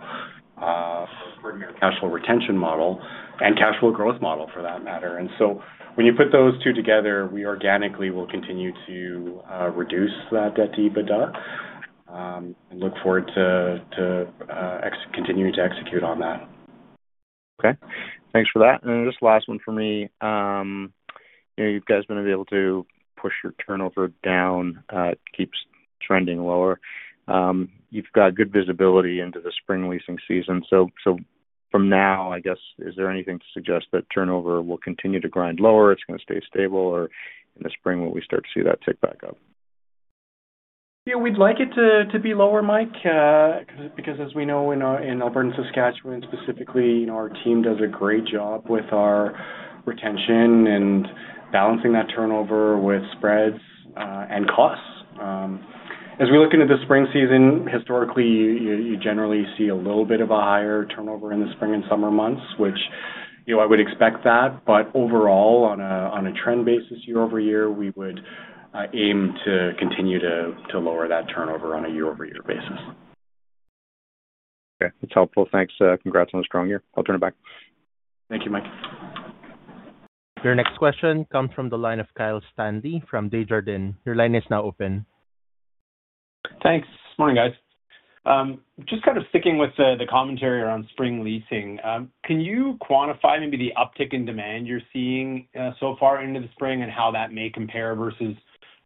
cash flow retention model and cash flow growth model, for that matter. And so when you put those two together, we organically will continue to reduce that debt to EBITDA, and look forward to continuing to execute on that. Okay. Thanks for that. And then this last one for me. You know, you guys have been able to push your turnover down, it keeps trending lower. You've got good visibility into the spring leasing season. So, so from now, I guess, is there anything to suggest that turnover will continue to grind lower, it's gonna stay stable, or in the spring, will we start to see that tick back up? Yeah, we'd like it to be lower, Mike, because as we know in Alberta and Saskatchewan specifically, our team does a great job with our retention and balancing that turnover with spreads, and costs. As we look into the spring season, historically, you generally see a little bit of a higher turnover in the spring and summer months, which, you know, I would expect that, but overall, on a trend basis, year-over-year, we would aim to continue to lower that turnover on a year-over-year basis. Okay. That's helpful. Thanks. Congrats on a strong year. I'll turn it back. Thank you, Mike. Your next question comes from the line of Kyle Stanley from Desjardins. Your line is now open. Thanks. Morning, guys. Just kind of sticking with the commentary around spring leasing. Can you quantify maybe the uptick in demand you're seeing so far into the spring and how that may compare versus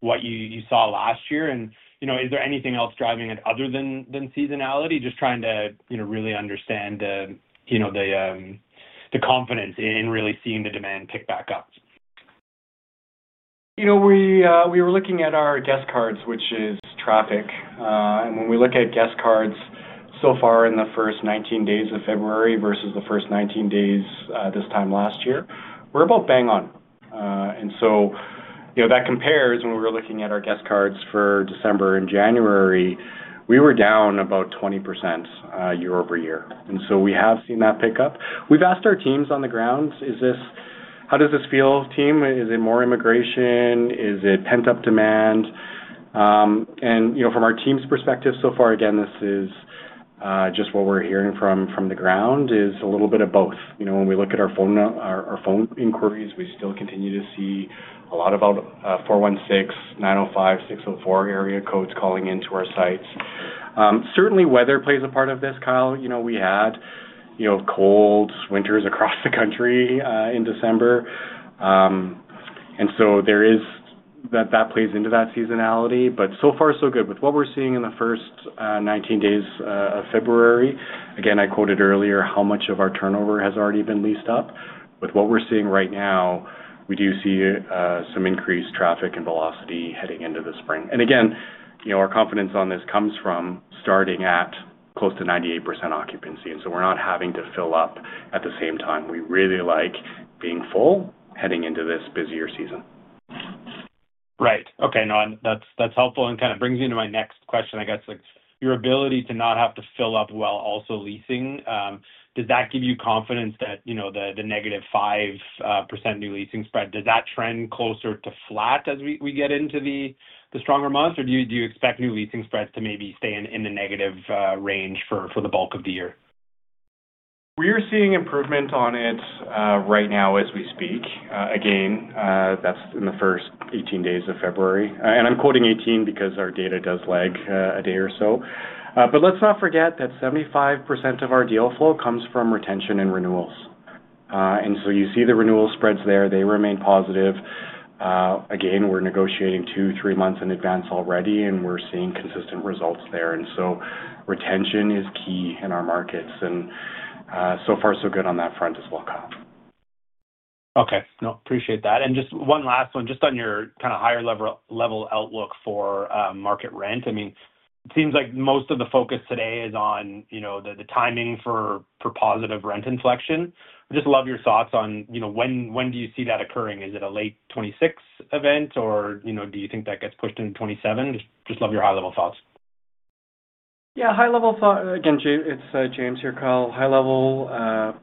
what you saw last year? And, you know, is there anything else driving it other than seasonality? Just trying to, you know, really understand the, you know, the confidence in really seeing the demand pick back up. You know, we, we were looking at our guest cards, which is traffic. And when we look at guest cards so far in the first 19 days of February versus the first 19 days, this time last year, we're about bang on. And so, you know, that compares when we were looking at our guest cards for December and January, we were down about 20%, year-over-year. And so we have seen that pick up. We've asked our teams on the ground, is this-- how does this feel, team? Is it more immigration? Is it pent-up demand? And, you know, from our team's perspective, so far, again, this is just what we're hearing from, from the ground, is a little bit of both. You know, when we look at our phone inquiries, we still continue to see a lot about 416, 905, 604 area codes calling into our sites. Certainly, weather plays a part of this, Kyle. You know, we had cold winters across the country in December. And so there is-- That plays into that seasonality, but so far, so good. With what we're seeing in the first 19 days of February, again, I quoted earlier how much of our turnover has already been leased up. With what we're seeing right now, we do see some increased traffic and velocity heading into the spring. And again, you know, our confidence on this comes from starting at close to 98% occupancy, and so we're not having to fill up at the same time. We really like being full, heading into this busier season. Right. Okay, no, that's, that's helpful and kind of brings me to my next question, I guess. Like, your ability to not have to fill up while also leasing, does that give you confidence that, you know, the -5% new leasing spread, does that trend closer to flat as we get into the, the stronger months? Or do you expect new leasing spreads to maybe stay in the negative range for the bulk of the year? We are seeing improvement on it right now as we speak. Again, that's in the first 18 days of February. And I'm quoting 18 because our data does lag a day or so. But let's not forget that 75% of our deal flow comes from retention and renewals. And so you see the renewal spreads there, they remain positive. Again, we're negotiating two-three months in advance already, and we're seeing consistent results there. And so retention is key in our markets, and so far so good on that front as well, Kyle. Okay. No, appreciate that. And just one last one, just on your kind of higher level outlook for market rent. I mean, it seems like most of the focus today is on, you know, the timing for positive rent inflection. I just love your thoughts on, you know, when do you see that occurring? Is it a late 2026 event, or, you know, do you think that gets pushed into 2027? Just love your high-level thoughts. Yeah, high level thought. Again, it's James here, Kyle. High level, I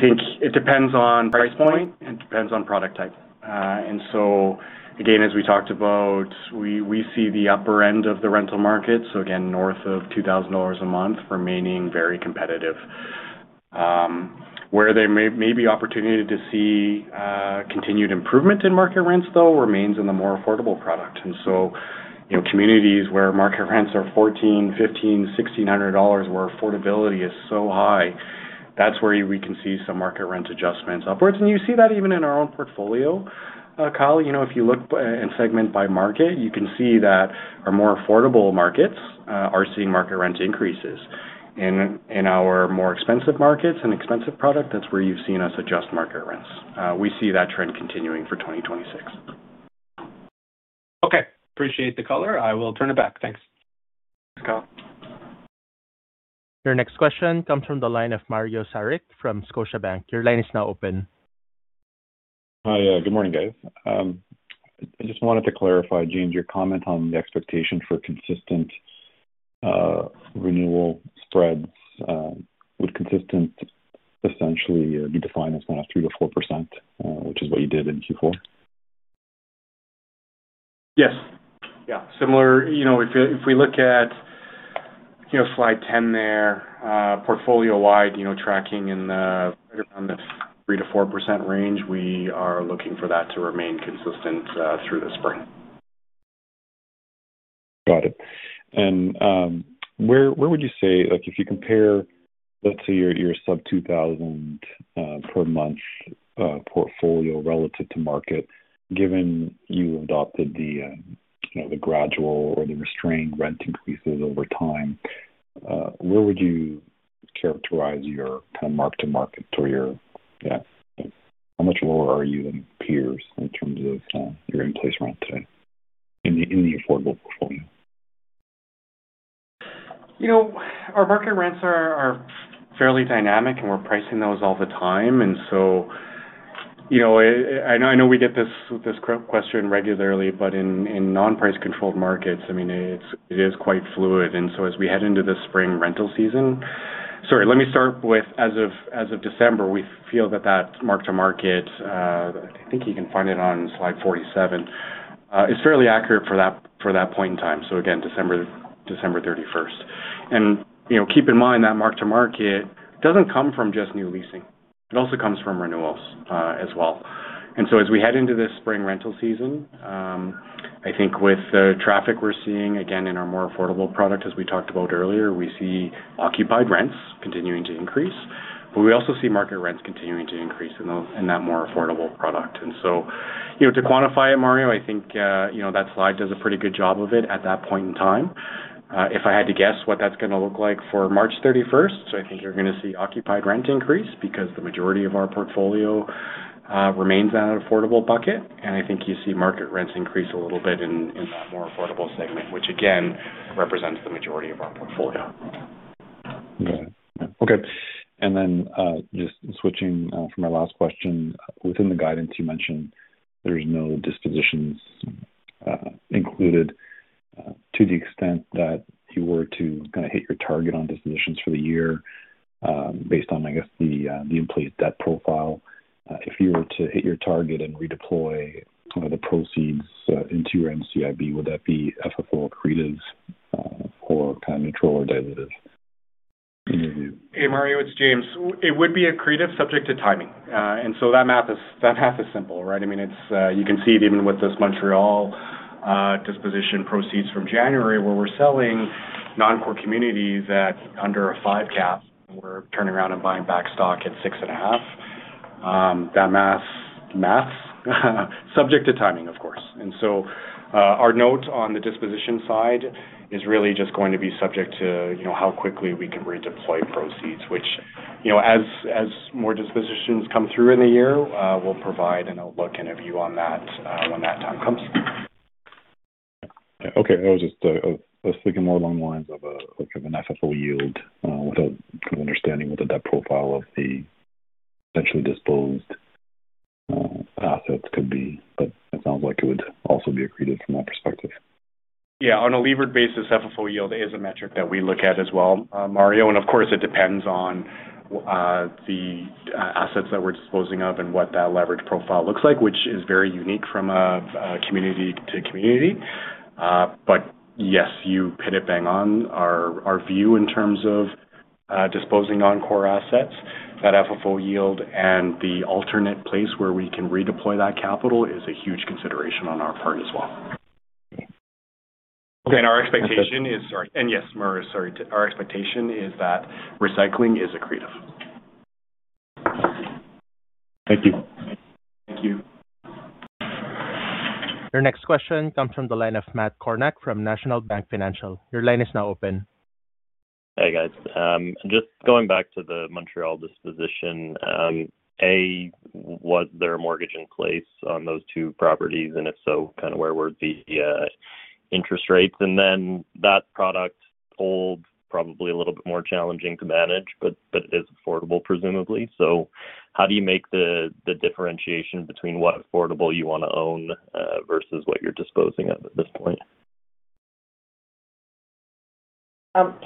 think it depends on price point, and it depends on product type. And so again, as we talked about, we see the upper end of the rental market, so again, north of 2,000 dollars a month, remaining very competitive. Where there may be opportunity to see continued improvement in market rents, though, remains in the more affordable product. And so, you know, communities where market rents are 1,400, 1,500, 1,600 dollars, where affordability is so high, that's where we can see some market rent adjustments upwards. And you see that even in our own portfolio, Kyle. You know, if you look and segment by market, you can see that our more affordable markets are seeing market rent increases. In our more expensive markets and expensive product, that's where you've seen us adjust market rents. We see that trend continuing for 2026. Okay. Appreciate the color. I will turn it back. Thanks. Thanks, Kyle. Your next question comes from the line of Mario Saric from Scotiabank. Your line is now open. Hi. Good morning, guys. I just wanted to clarify, James, your comment on the expectation for consistent renewal spreads. Would consistent essentially be defined as kind of 3%-4%, which is what you did in Q4? Yes. Yeah, similar, you know, if we look at, you know, slide 10 there, portfolio-wide, you know, tracking around the 3%-4% range, we are looking for that to remain consistent, through the spring. Got it. And, where would you say—like, if you compare, let's say, your sub 2,000 per month portfolio relative to market, given you adopted the, you know, the gradual or the restrained rent increases over time, where would you characterize your kind of mark-to-market or your, yeah—how much lower are you than peers in terms of, your in-place rent today in the, in the affordable portfolio? You know, our market rents are fairly dynamic, and we're pricing those all the time. And so, you know, I know we get this question regularly, but in non-price-controlled markets, I mean, it is quite fluid. And so as we head into the spring rental season. Sorry, let me start with as of December, we feel that mark-to-market, I think you can find it on slide 47, is fairly accurate for that point in time. So again, December 31st. And, you know, keep in mind that mark-to-market doesn't come from just new leasing. It also comes from renewals, as well. And so as we head into this spring rental season, I think with the traffic we're seeing, again, in our more affordable product, as we talked about earlier, we see occupied rents continuing to increase. But we also see market rents continuing to increase in that more affordable product. And so, you know, to quantify it, Mario, I think, you know, that slide does a pretty good job of it at that point in time. If I had to guess what that's going to look like for March 31, so I think you're going to see occupied rent increase because the majority of our portfolio remains in that affordable bucket. And I think you see market rents increase a little bit in that more affordable segment, which again, represents the majority of our portfolio. Okay. Just switching for my last question. Within the guidance you mentioned, there's no dispositions included. To the extent that you were to kind of hit your target on dispositions for the year, based on, I guess, the in-place debt profile, if you were to hit your target and redeploy the proceeds into your NCIB, would that be FFO accretive, or kind of neutral or dilutive? Hey, Mario, it's James. It would be accretive subject to timing. And so that math is, that math is simple, right? I mean, it's you can see it even with this Montreal disposition proceeds from January, where we're selling non-core communities at under a 5 cap. We're turning around and buying back stock at 6.5. That math's math, subject to timing, of course. And so, our note on the disposition side is really just going to be subject to, you know, how quickly we can redeploy proceeds, which, you know, as more dispositions come through in the year, we'll provide an outlook and a view on that, when that time comes. Okay, I was just, I was thinking more along the lines of, like of an FFO yield, without kind of understanding what the debt profile of the potentially disposed, assets could be. But it sounds like it would also be accretive from that perspective. Yeah, on a levered basis, FFO yield is a metric that we look at as well, Mario, and of course, it depends on the assets that we're disposing of and what that leverage profile looks like, which is very unique from a community to community. But yes, you hit it bang on. Our view in terms of disposing non-core assets, that FFO yield and the alternate place where we can redeploy that capital is a huge consideration on our part as well. Okay. Sorry, and yes, Mario, sorry. Our expectation is that recycling is accretive. Thank you. Thank you. Your next question comes from the line of Matt Kornack from National Bank Financial. Your line is now open. Hey, guys. Just going back to the Montreal disposition, was there a mortgage in place on those two properties? And if so, kind of where were the interest rates? And then that product hold, probably a little bit more challenging to manage, but, but is affordable, presumably. So how do you make the differentiation between what affordable you want to own versus what you're disposing of at this point?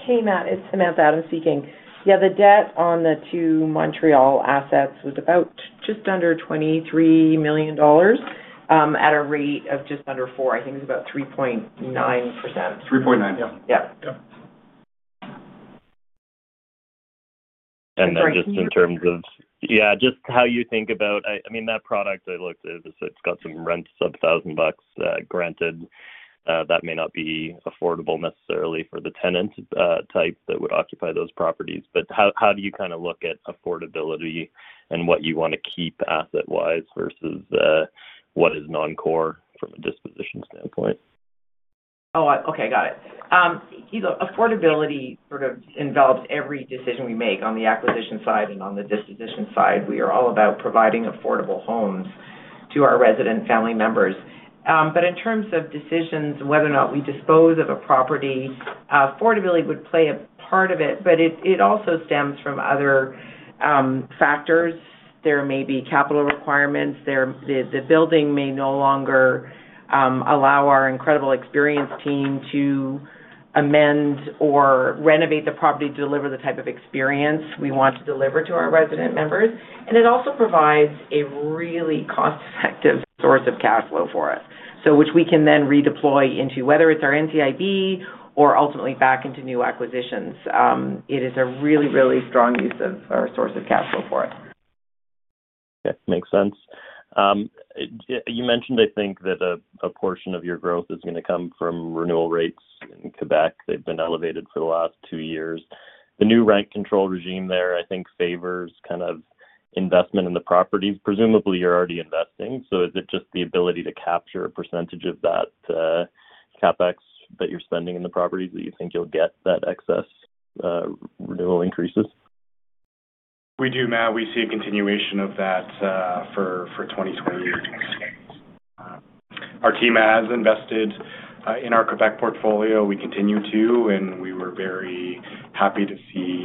Hey, Matt, it's Samantha Adams speaking. Yeah, the debt on the two Montreal assets was about just under 23 million dollars, at a rate of just under 4%. I think it's about 3.9%. 3.9%. Yeah. Yeah. Then just in terms of how you think about, I mean, that product I looked at, it's got some rents of 1,000 bucks. Granted, that may not be affordable necessarily for the tenant type that would occupy those properties. But how do you kind of look at affordability and what you want to keep asset-wise versus what is non-core from a disposition standpoint? Oh, okay. Got it. You know, affordability sort of envelops every decision we make on the acquisition side and on the disposition side. We are all about providing affordable homes to our resident family members. But in terms of decisions, whether or not we dispose of a property, affordability would play a part of it, but it, it also stems from other factors. There may be capital requirements. The building may no longer allow our incredible experience team to amend or renovate the property to deliver the type of experience we want to deliver to our resident members. And it also provides a really cost-effective source of cash flow for us. So which we can then redeploy into whether it's our NCIB or ultimately back into new acquisitions. It is a really, really strong use of or source of cash flow for us. Yeah, makes sense. You mentioned, I think, that a portion of your growth is gonna come from renewal rates in Quebec. They've been elevated for the last two years. The new rent control regime there, I think, favors kind of investment in the properties. Presumably, you're already investing, so is it just the ability to capture a percentage of that CapEx that you're spending in the properties that you think you'll get that excess renewal increases? We do, Matt. We see a continuation of that, for [2024] Our team has invested in our Quebec portfolio. We continue to, and we were very happy to see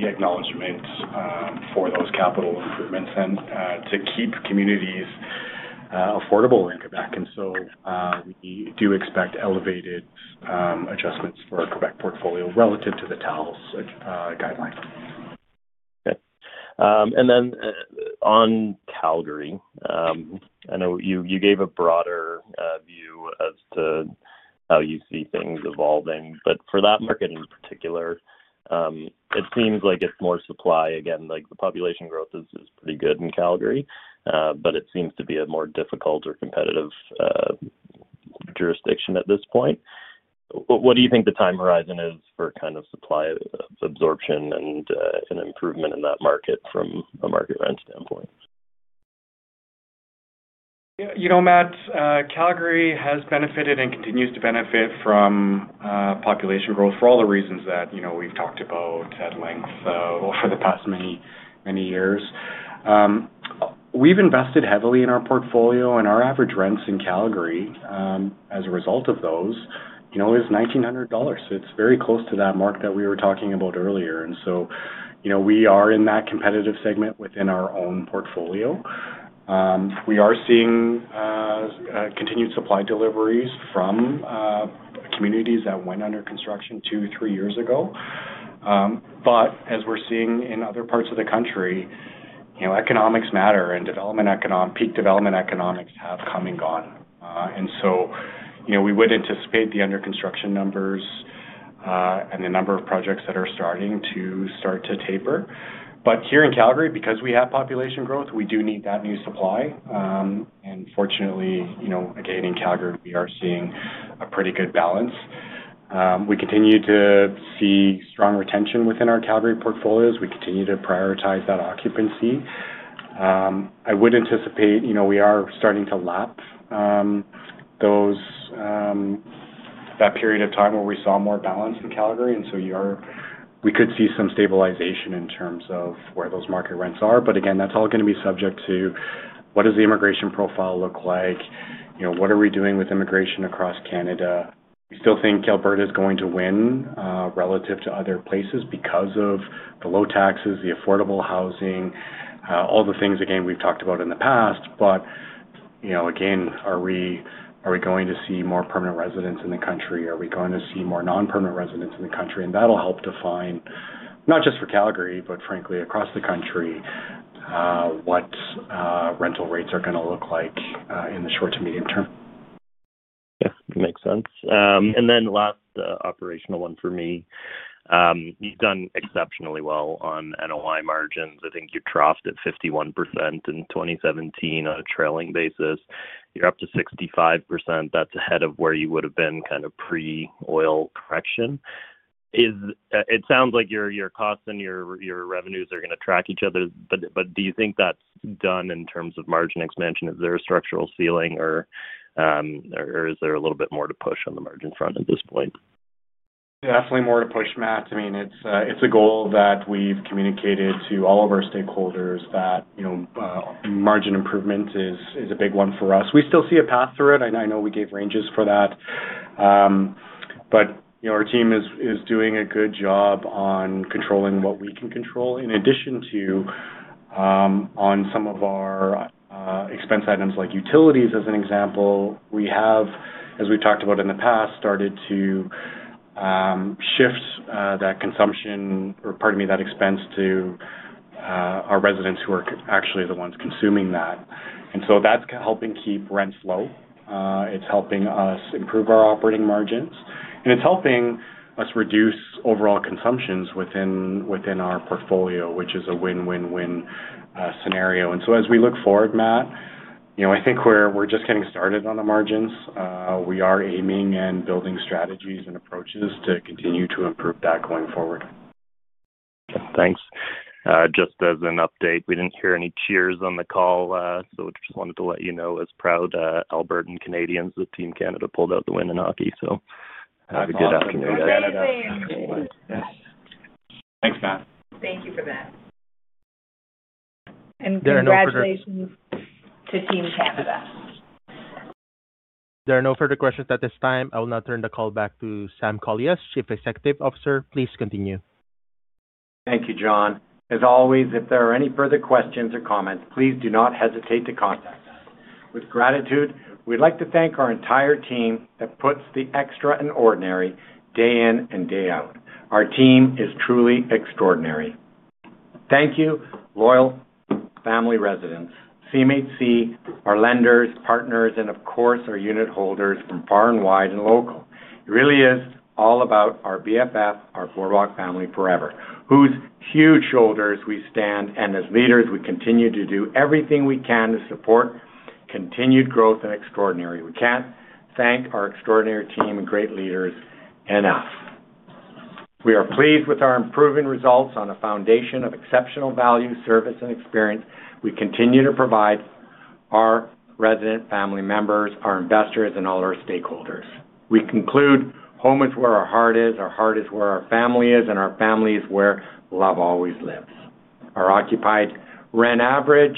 the acknowledgment for those capital improvements and to keep communities affordable in Quebec. And so, we do expect elevated adjustments for our Quebec portfolio relative to the TAL's guideline. Okay. And then, on Calgary, I know you gave a broader view as to how you see things evolving. But for that market in particular, it seems like it's more supply again, like the population growth is pretty good in Calgary, but it seems to be a more difficult or competitive jurisdiction at this point. What do you think the time horizon is for kind of supply absorption and an improvement in that market from a market rent standpoint? You know, Matt, Calgary has benefited and continues to benefit from population growth for all the reasons that, you know, we've talked about at length over the past many, many years. We've invested heavily in our portfolio, and our average rents in Calgary, as a result of those, you know, is 1,900 dollars. So it's very close to that mark that we were talking about earlier. And so, you know, we are in that competitive segment within our own portfolio. We are seeing continued supply deliveries from communities that went under construction two, three years ago. But as we're seeing in other parts of the country, you know, economics matter and peak development economics have come and gone. And so, you know, we would anticipate the under construction numbers, and the number of projects that are starting to start to taper. But here in Calgary, because we have population growth, we do need that new supply. And fortunately, you know, again, in Calgary, we are seeing a pretty good balance. We continue to see strong retention within our Calgary portfolios. We continue to prioritize that occupancy. I would anticipate, you know, we are starting to lap, those, that period of time where we saw more balance in Calgary, and so we could see some stabilization in terms of where those market rents are. But again, that's all gonna be subject to what does the immigration profile look like? You know, what are we doing with immigration across Canada? We still think Alberta is going to win, relative to other places because of the low taxes, the affordable housing, all the things, again, we've talked about in the past. But, you know, again, are we going to see more permanent residents in the country? Are we going to see more non-permanent residents in the country? And that'll help define, not just for Calgary, but frankly, across the country, what rental rates are gonna look like, in the short to medium term. Yes, makes sense. And then last operational one for me. You've done exceptionally well on NOI margins. I think you troughed at 51% in 2017 on a trailing basis. You're up to 65%. That's ahead of where you would have been kind of pre-oil correction. It sounds like your costs and your revenues are gonna track each other, but do you think that's done in terms of margin expansion? Is there a structural ceiling or is there a little bit more to push on the margin front at this point? Definitely more to push, Matt. I mean, it's a goal that we've communicated to all of our stakeholders that, you know, margin improvement is a big one for us. We still see a path through it, and I know we gave ranges for that. But, you know, our team is doing a good job on controlling what we can control. In addition to, on some of our expense items like utilities, as an example, we have, as we've talked about in the past, started to shift that consumption, or pardon me, that expense to our residents who are actually the ones consuming that. And so that's helping keep rents low. It's helping us improve our operating margins, and it's helping us reduce overall consumptions within our portfolio, which is a win-win-win scenario. As we look forward, Matt, you know, I think we're just getting started on the margins. We are aiming and building strategies and approaches to continue to improve that going forward. Thanks. Just as an update, we didn't hear any cheers on the call, so just wanted to let you know as proud Albertan Canadians that Team Canada pulled out the win in hockey, so have a good afternoon, guys. Thanks, Matt. Thank you for that. And congratulations to Team Canada. There are no further questions at this time. I will now turn the call back to Sam Kolias, Chief Executive Officer. Please continue. Thank you, John. As always, if there are any further questions or comments, please do not hesitate to contact us. With gratitude, we'd like to thank our entire team that puts the extra in ordinary day in and day out. Our team is truly extraordinary. Thank you, loyal family residents, CMHC, our lenders, partners, and of course, our unitholders from far and wide and local. It really is all about our BFF, our Boardwalk Family Forever, whose huge shoulders we stand, and as leaders, we continue to do everything we can to support continued growth and extraordinary. We can't thank our extraordinary team and great leaders enough. We are pleased with our improving results on a foundation of exceptional value, service, and experience we continue to provide our resident family members, our investors, and all our stakeholders. We conclude home is where our heart is, our heart is where our family is, and our family is where love always lives. Our occupied rent average,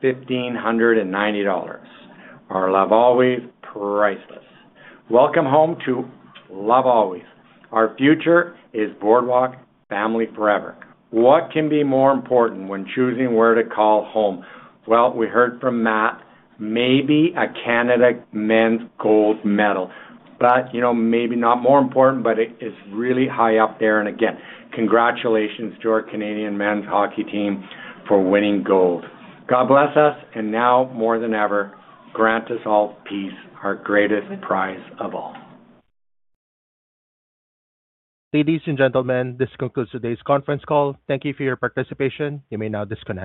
1,590 dollars. Our love always, priceless. Welcome home to Love Always. Our future is Boardwalk Family Forever. What can be more important when choosing where to call home? Well, we heard from Matt, maybe a Canada men's gold medal, but you know, maybe not more important, but it is really high up there. And again, congratulations to our Canadian men's hockey team for winning gold. God bless us, and now more than ever, grant us all peace, our greatest prize of all. Ladies and gentlemen, this concludes today's conference call. Thank you for your participation. You may now disconnect.